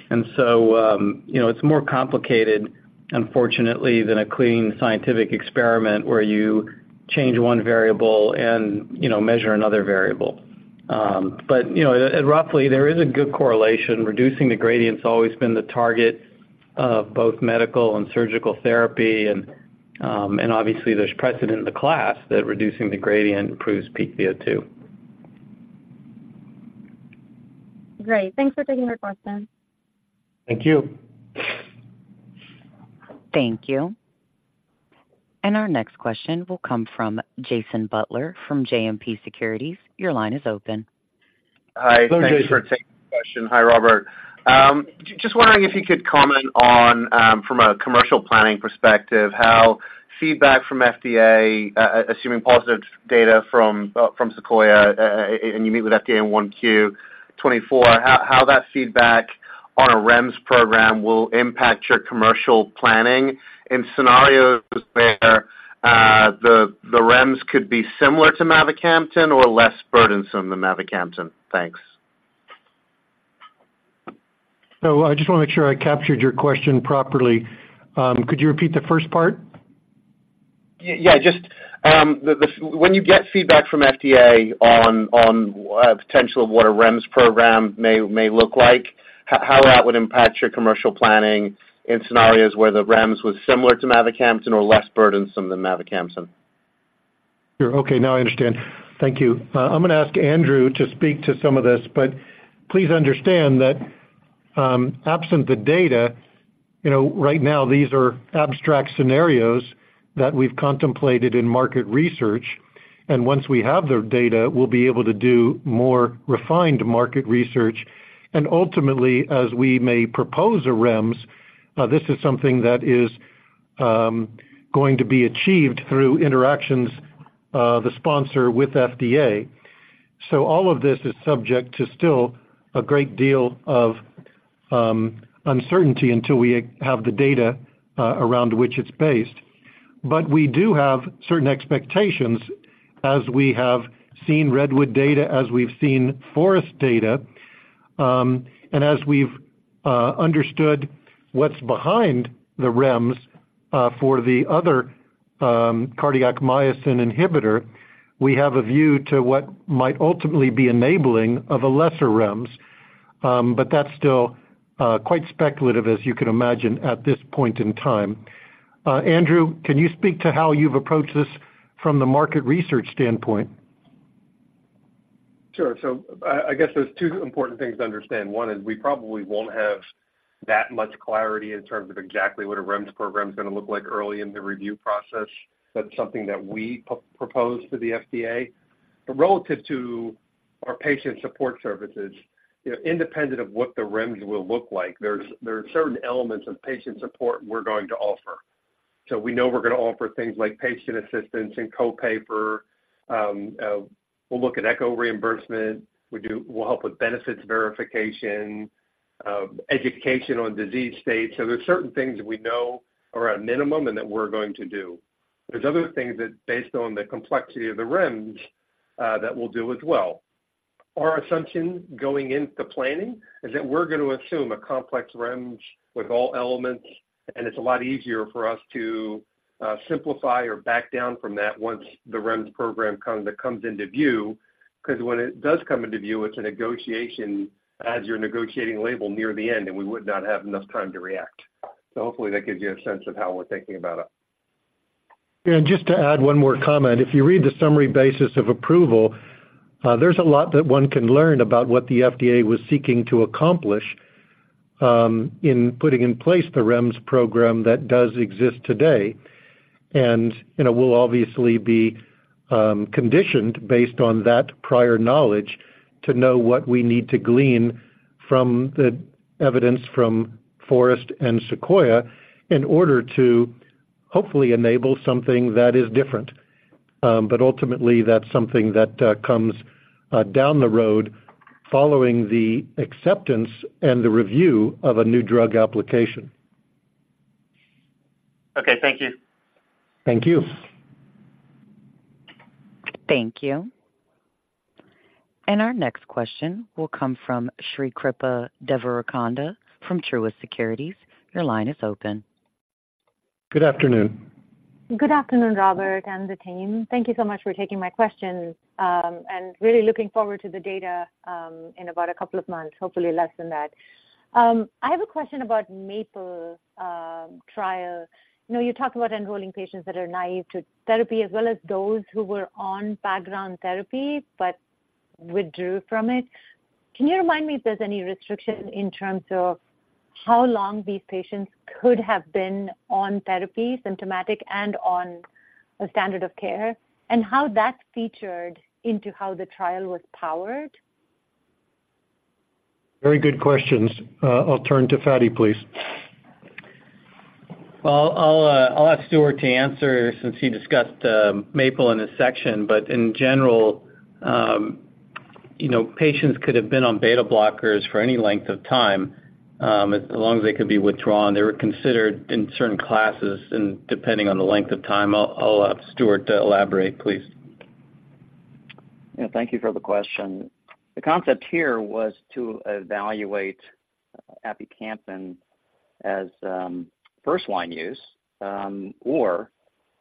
And so, you know, it's more complicated, unfortunately, than a clean scientific experiment where you change one variable and, you know, measure another variable. But, you know, roughly, there is a good correlation. Reducing the gradient's always been the target of both medical and surgical therapy, and obviously there's precedent in the class that reducing the gradient improves peak VO2. Great. Thanks for taking our question. Thank you. Thank you. And our next question will come from Jason Butler from JMP Securities. Your line is open. Hi, Jason. Hi, thanks for taking the question. Hi, Robert. Just wondering if you could comment on, from a commercial planning perspective, how feedback from FDA, assuming positive data from SEQUOIA, and you meet with FDA in 1Q 2024, how that feedback on a REMS program will impact your commercial planning in scenarios where the REMS could be similar to mavacamten or less burdensome than mavacamten? Thanks. I just want to make sure I captured your question properly. Could you repeat the first part? Yeah, just. When you get feedback from FDA on potential of what a REMS program may look like, how that would impact your commercial planning in scenarios where the REMS was similar to mavacamten or less burdensome than mavacamten? Sure. Okay, now I understand. Thank you. I'm going to ask Andrew to speak to some of this, but please understand that, absent the data, you know, right now, these are abstract scenarios that we've contemplated in market research, and once we have the data, we'll be able to do more refined market research. And ultimately, as we may propose a REMS, this is something that is going to be achieved through interactions of the sponsor with FDA. So all of this is subject to still a great deal of uncertainty until we have the data around which it's based. But we do have certain expectations as we have seen REDWOOD data, as we've seen FOREST data, and as we've understood what's behind the REMS, for the other cardiac myosin inhibitor, we have a view to what might ultimately be enabling of a lesser REMS. But that's still quite speculative, as you can imagine, at this point in time. Andrew, can you speak to how you've approached this from the market research standpoint? Sure. So I guess there's two important things to understand. One is we probably won't have that much clarity in terms of exactly what a REMS program is going to look like early in the review process. That's something that we propose to the FDA. But relative to our patient support services, you know, independent of what the REMS will look like, there are certain elements of patient support we're going to offer. So we know we're going to offer things like patient assistance and co-pay for, we'll look at echo reimbursement, we'll help with benefits verification, education on disease states. So there's certain things that we know are a minimum and that we're going to do. There's other things that, based on the complexity of the REMS, that we'll do as well. Our assumption going into planning is that we're going to assume a complex REMS with all elements, and it's a lot easier for us to simplify or back down from that once the REMS program kind of comes into view.... 'cause when it does come into view, it's a negotiation as you're negotiating label near the end, and we would not have enough time to react. So hopefully that gives you a sense of how we're thinking about it. Just to add one more comment, if you read the Summary Basis of Approval, there's a lot that one can learn about what the FDA was seeking to accomplish in putting in place the REMS program that does exist today. You know, we'll obviously be conditioned based on that prior knowledge to know what we need to glean from the evidence from FOREST and SEQUOIA in order to hopefully enable something that is different. But ultimately, that's something that comes down the road following the acceptance and the review of a New Drug Application. Okay, thank you. Thank you. Thank you. Our next question will come from Shrikripa Devarakonda from Truist Securities. Your line is open. Good afternoon. Good afternoon, Robert and the team. Thank you so much for taking my questions. And really looking forward to the data, in about a couple of months, hopefully less than that. I have a question about MAPLE trial. I know you talked about enrolling patients that are naive to therapy, as well as those who were on background therapy but withdrew from it. Can you remind me if there's any restriction in terms of how long these patients could have been on therapy, symptomatic and on a standard of care, and how that featured into how the trial was powered? Very good questions. I'll turn to Fady, please. Well, I'll ask Stuart to answer since he discussed MAPLE in this section. But in general, you know, patients could have been on beta blockers for any length of time, as long as they could be withdrawn. They were considered in certain classes and depending on the length of time. I'll ask Stuart to elaborate, please. Yeah, thank you for the question. The concept here was to evaluate aficamten as first-line use or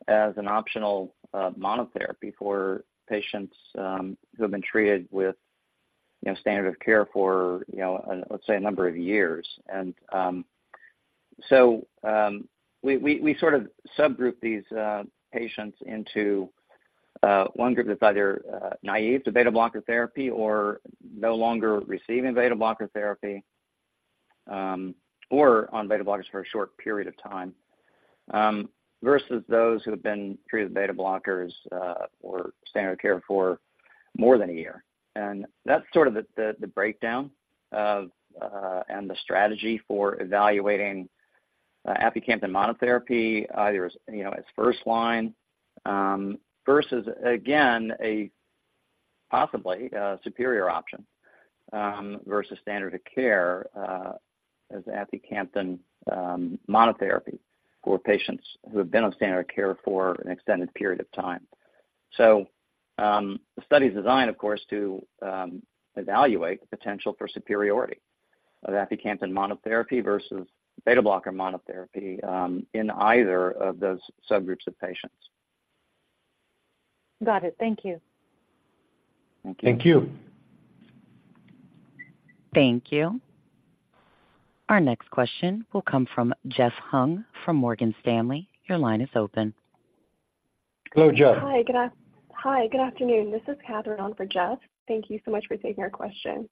as an optional monotherapy for patients who have been treated with, you know, standard of care for, you know, let's say, a number of years. And so we sort of subgroup these patients into one group that's either naive to beta blocker therapy or no longer receiving beta blocker therapy or on beta blockers for a short period of time versus those who have been treated with beta blockers or standard of care for more than a year. And that's sort of the breakdown of and the strategy for evaluating aficamten monotherapy. There's, you know, as first line versus, again, a possibly superior option versus standard of care as aficamten monotherapy for patients who have been on standard of care for an extended period of time. So, the study is designed, of course, to evaluate the potential for superiority of aficamten monotherapy versus beta blocker monotherapy in either of those subgroups of patients. Got it. Thank you. Thank you. Thank you. Thank you. Our next question will come from Jeff Hung from Morgan Stanley. Your line is open. Hello, Jeff. Hi, good afternoon. This is Catherine on for Jeff. Thank you so much for taking our question.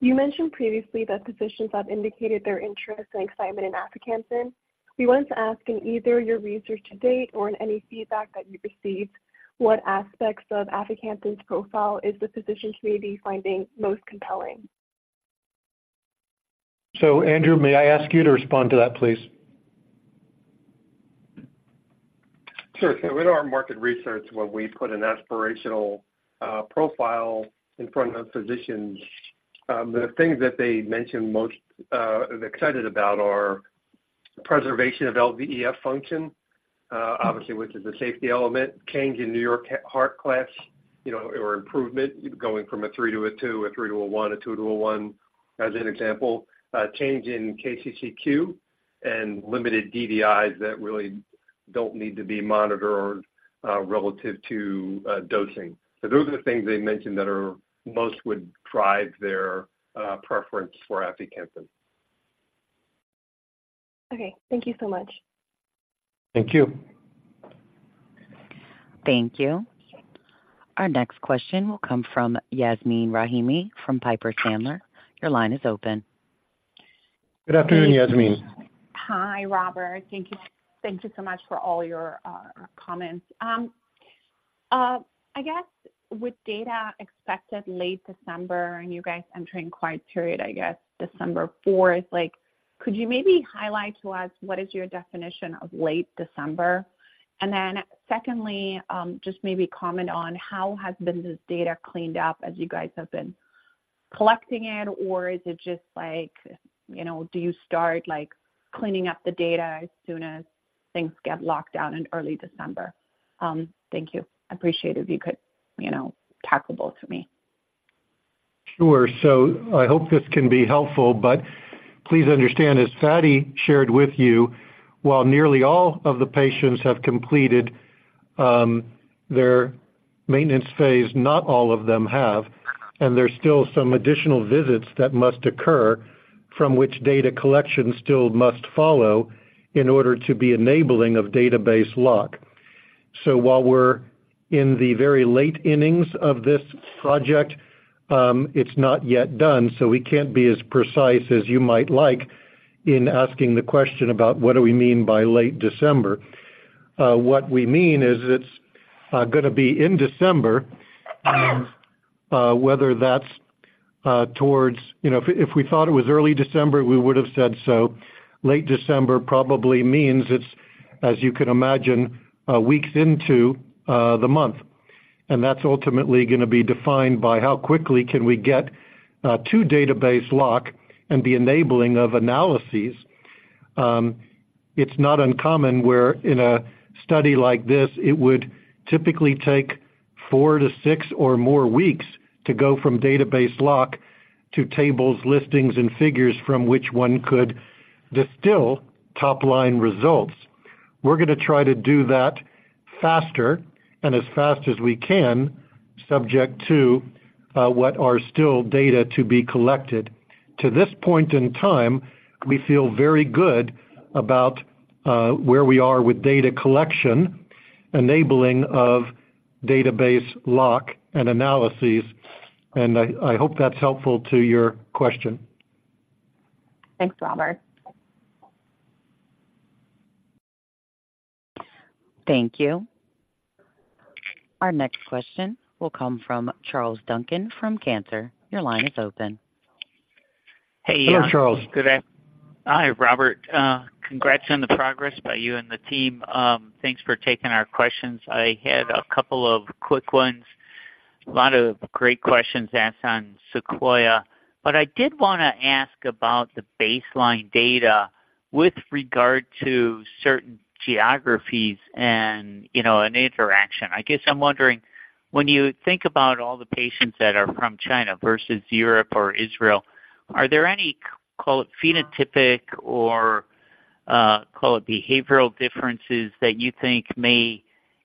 You mentioned previously that physicians have indicated their interest and excitement in aficamten. We wanted to ask, in either your research to date or in any feedback that you've received, what aspects of aficamten's profile is the physician community finding most compelling? Andrew, may I ask you to respond to that, please? Sure. So in our market research, when we put an aspirational profile in front of physicians, the things that they mention most and excited about are preservation of LVEF function, obviously, which is a safety element, change in NYHA class, you know, or improvement, going from a three to a two, a three to a one, a two to a one, as an example. Change in KCCQ and limited DDIs that really don't need to be monitored, relative to dosing. So those are the things they mentioned that are most would drive their preference for aficamten. Okay. Thank you so much. Thank you. Thank you. Our next question will come from Yasmeen Rahimi from Piper Sandler. Your line is open. Good afternoon, Yasmeen. Hi, Robert. Thank you. Thank you so much for all your comments. I guess with data expected late December and you guys entering quiet period, I guess December fourth, like, could you maybe highlight to us what is your definition of late December? And then secondly, just maybe comment on how has been this data cleaned up as you guys have been collecting it, or is it just like, you know, do you start, like, cleaning up the data as soon as things get locked down in early December? Thank you. I appreciate if you could, you know, tackle both for me. Sure. So I hope this can be helpful, but please understand, as Fady shared with you, while nearly all of the patients have completed their maintenance phase, not all of them have, and there's still some additional visits that must occur from which data collection still must follow in order to be enabling of database lock. So while we're in the very late innings of this project, it's not yet done, so we can't be as precise as you might like in asking the question about what do we mean by late December. What we mean is it's going to be in December, whether that's towards... You know, if we thought it was early December, we would have said so. Late December probably means it's, as you can imagine, weeks into the month, and that's ultimately going to be defined by how quickly can we get to database lock and the enabling of analyses. It's not uncommon where in a study like this, it would typically take 4-6 or more weeks to go from database lock to tables, listings, and figures from which one could distill top-line results. We're going to try to do that faster and as fast as we can, subject to what are still data to be collected. To this point in time, we feel very good about where we are with data collection, enabling of database lock and analyses. And I hope that's helpful to your question. Thanks, Robert. Thank you. Our next question will come from Charles Duncan from Cantor. Your line is open. Hello, Charles. Hey, good day. Hi, Robert. Congrats on the progress by you and the team. Thanks for taking our questions. I had a couple of quick ones. A lot of great questions asked on SEQUOIA, but I did want to ask about the baseline data with regard to certain geographies and, you know, an interaction. I guess I'm wondering, when you think about all the patients that are from China versus Europe or Israel, are there any, call it, phenotypic or, call it behavioral differences that you think may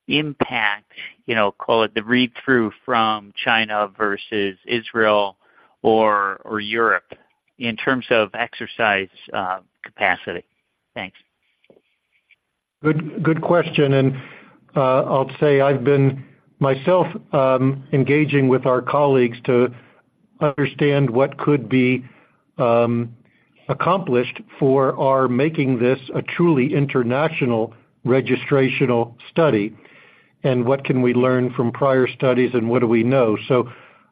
impact, you know, call it, the read-through from China versus Israel or, or Europe in terms of exercise, capacity? Thanks. Good, good question, and I'll say I've been myself engaging with our colleagues to understand what could be accomplished for our making this a truly international registrational study, and what can we learn from prior studies and what do we know. So,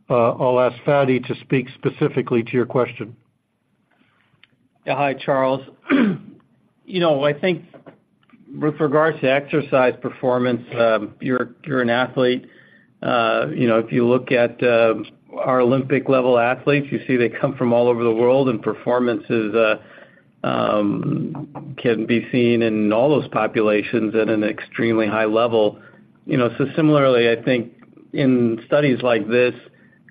I'll ask Fady to speak specifically to your question. Yeah. Hi, Charles. You know, I think with regards to exercise performance, you're an athlete. You know, if you look at our Olympic-level athletes, you see they come from all over the world, and performances can be seen in all those populations at an extremely high level. You know, so similarly, I think in studies like this,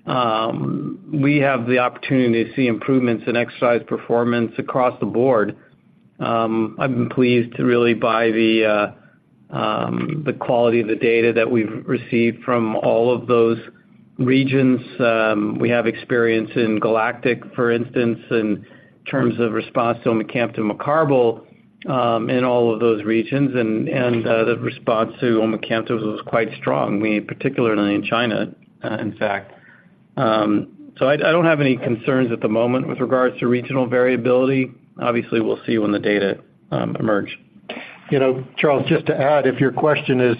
we have the opportunity to see improvements in exercise performance across the board. I'm pleased really by the quality of the data that we've received from all of those regions. We have experience in GALACTIC, for instance, in terms of response to omecamtiv mecarbil in all of those regions, and the response to omecamtiv was quite strong, particularly in China, in fact. I don't have any concerns at the moment with regards to regional variability. Obviously, we'll see when the data emerge. You know, Charles, just to add, if your question is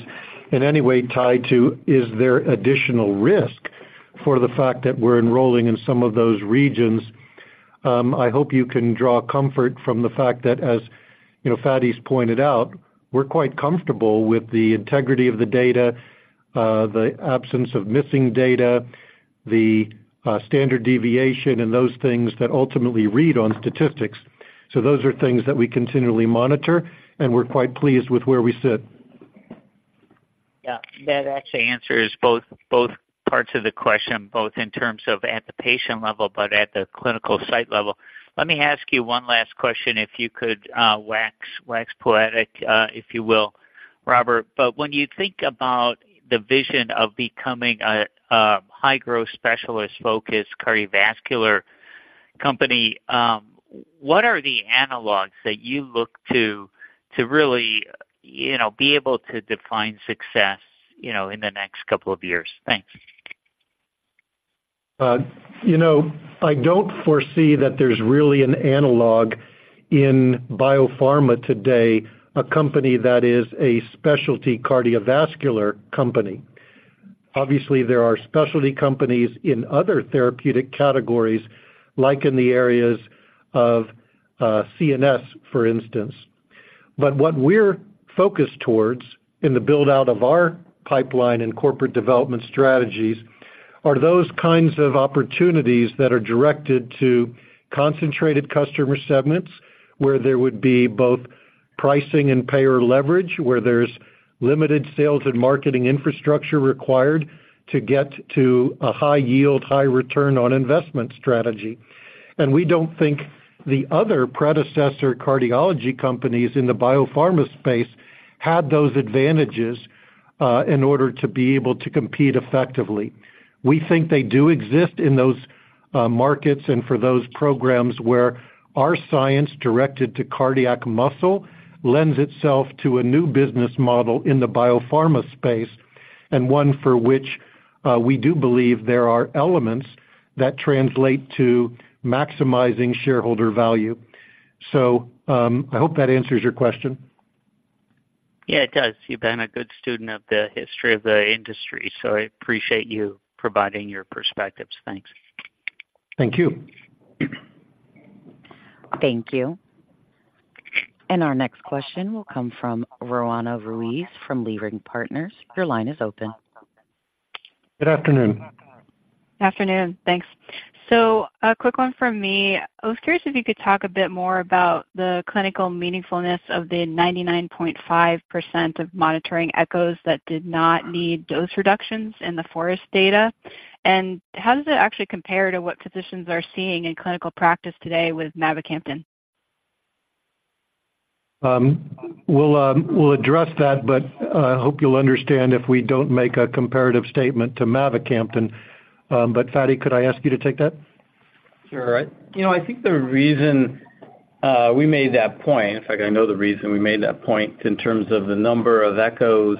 in any way tied to, is there additional risk for the fact that we're enrolling in some of those regions? I hope you can draw comfort from the fact that, as you know, Fady's pointed out, we're quite comfortable with the integrity of the data, the absence of missing data, the standard deviation and those things that ultimately read on statistics. So those are things that we continually monitor, and we're quite pleased with where we sit. Yeah, that actually answers both, both parts of the question, both in terms of at the patient level, but at the clinical site level. Let me ask you one last question, if you could, wax poetic, if you will, Robert. But when you think about the vision of becoming a, a high-growth specialist focused cardiovascular company, what are the analogs that you look to, to really, you know, be able to define success, you know, in the next couple of years? Thanks. You know, I don't foresee that there's really an analog in biopharma today, a company that is a specialty cardiovascular company. Obviously, there are specialty companies in other therapeutic categories, like in the areas of, CNS, for instance. But what we're focused towards in the build-out of our pipeline and corporate development strategies are those kinds of opportunities that are directed to concentrated customer segments, where there would be both pricing and payer leverage, where there's limited sales and marketing infrastructure required to get to a high yield, high return on investment strategy. And we don't think the other predecessor cardiology companies in the biopharma space had those advantages, in order to be able to compete effectively. We think they do exist in those markets and for those programs where our science, directed to cardiac muscle, lends itself to a new business model in the biopharma space, and one for which we do believe there are elements that translate to maximizing shareholder value. So, I hope that answers your question. Yeah, it does. You've been a good student of the history of the industry, so I appreciate you providing your perspectives. Thanks. Thank you. Thank you. Our next question will come from Roanna Ruiz from Leerink Partners. Your line is open. Good afternoon. Afternoon. Thanks. So a quick one from me. I was curious if you could talk a bit more about the clinical meaningfulness of the 99.5% of monitoring echoes that did not need dose reductions in the FOREST data. And how does it actually compare to what physicians are seeing in clinical practice today with mavacamten? We'll, we'll address that, but I hope you'll understand if we don't make a comparative statement to mavacamten. But Fady, could I ask you to take that? Sure. You know, I think the reason we made that point, in fact, I know the reason we made that point in terms of the number of echoes,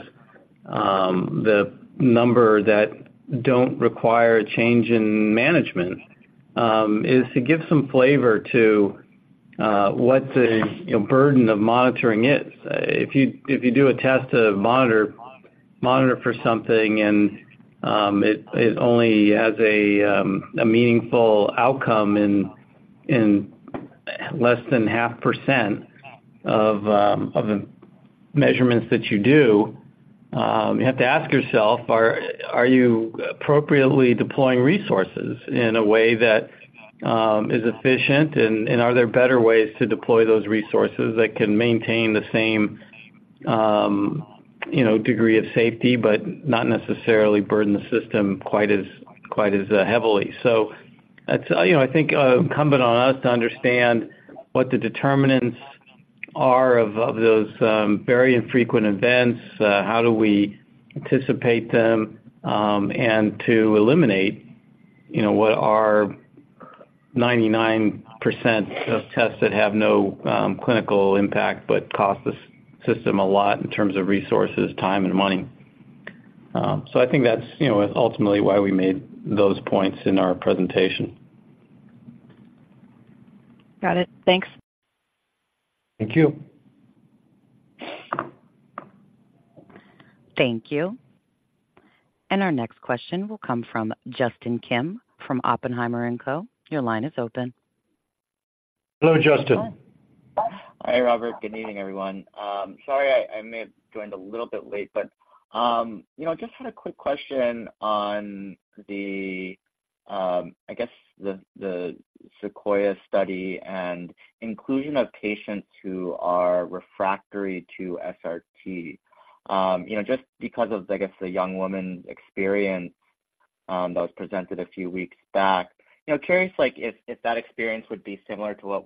the number that don't require a change in management, is to give some flavor to what the, you know, burden of monitoring is. If you do a test to monitor for something and it only has a meaningful outcome in less than 0.5% of the measurements that you do, you have to ask yourself, are you appropriately deploying resources in a way that is efficient? And are there better ways to deploy those resources that can maintain the same, you know, degree of safety, but not necessarily burden the system quite as heavily? It's, you know, I think, incumbent on us to understand what the determinants are of those very infrequent events, how do we anticipate them, and to eliminate, you know, what are 99% of tests that have no clinical impact but cost the system a lot in terms of resources, time, and money. I think that's, you know, ultimately why we made those points in our presentation. Got it. Thanks. Thank you. Thank you. Our next question will come from Justin Kim from Oppenheimer & Co. Your line is open. Hello, Justin. Hi, Robert. Good evening, everyone. Sorry, I may have joined a little bit late, but you know, just had a quick question on the, I guess, the SEQUOIA study and inclusion of patients who are refractory to SRT. You know, just because of, I guess, the young woman experience that was presented a few weeks back. You know, curious, like, if that experience would be similar to what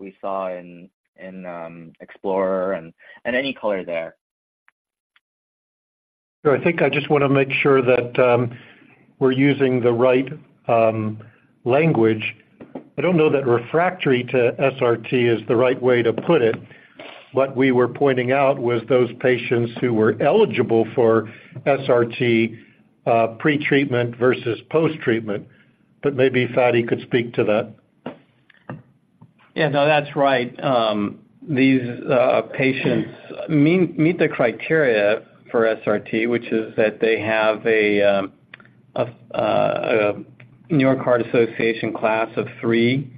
we saw in Explorer and any color there. So I think I just wanna make sure that, we're using the right, language. I don't know that refractory to SRT is the right way to put it. What we were pointing out was those patients who were eligible for SRT, pretreatment versus posttreatment, but maybe Fady could speak to that. Yeah, no, that's right. These patients meet the criteria for SRT, which is that they have a New York Heart Association class of three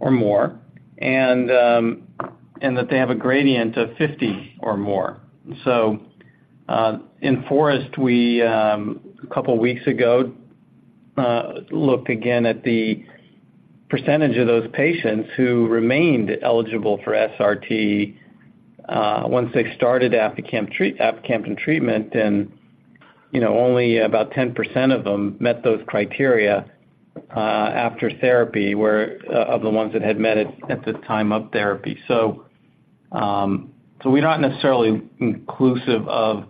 or more, and that they have a gradient of 50 or more. So, in FOREST, we a couple weeks ago looked again at the percentage of those patients who remained eligible for SRT once they started aficamten treatment, and, you know, only about 10% of them met those criteria after therapy, where of the ones that had met at the time of therapy. So, we're not necessarily inclusive of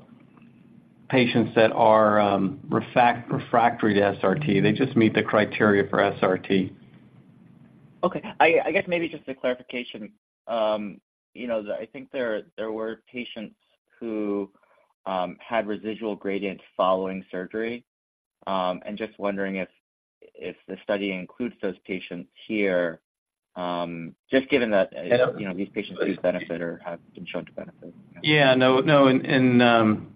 patients that are refractory to SRT. They just meet the criteria for SRT. Okay. I guess maybe just a clarification. You know, that I think there were patients who had residual gradient following surgery. And just wondering if the study includes those patients here, just given that- Yeah. You know, these patients do benefit or have been shown to benefit. Yeah. No, no, in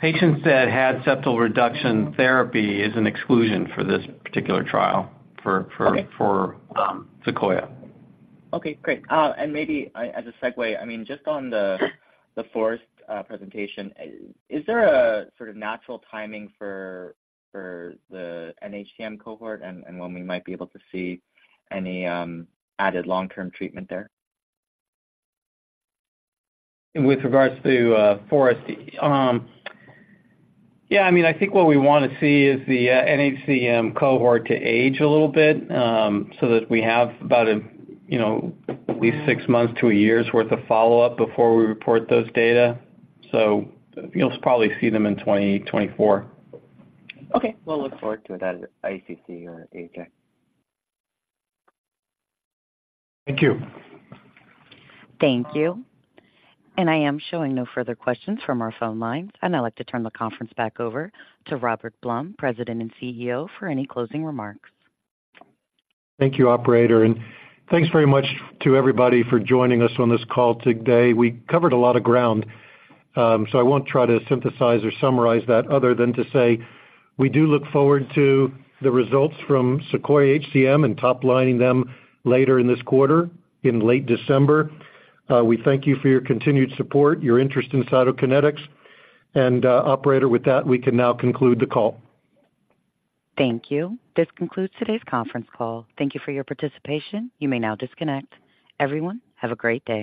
patients that had septal reduction therapy is an exclusion for this particular trial, for- Okay. - for SEQUOIA. Okay, great. And maybe I, as a segue, I mean, just on the FOREST presentation, is there a sort of natural timing for the nHCM cohort and when we might be able to see any added long-term treatment there? With regards to, FOREST, yeah, I mean, I think what we wanna see is the, nHCM cohort to age a little bit, so that we have about a, you know, at least six months to a year's worth of follow-up before we report those data. So you'll probably see them in 2024. Okay. We'll look forward to it at ACC or AHA. Thank you. Thank you. I am showing no further questions from our phone lines. I'd now like to turn the conference back over to Robert Blum, President and CEO, for any closing remarks. Thank you, operator, and thanks very much to everybody for joining us on this call today. We covered a lot of ground, so I won't try to synthesize or summarize that other than to say, we do look forward to the results from SEQUOIA-HCM and top-lining them later in this quarter, in late December. We thank you for your continued support, your interest in Cytokinetics, and, operator, with that, we can now conclude the call. Thank you. This concludes today's conference call. Thank you for your participation. You may now disconnect. Everyone, have a great day.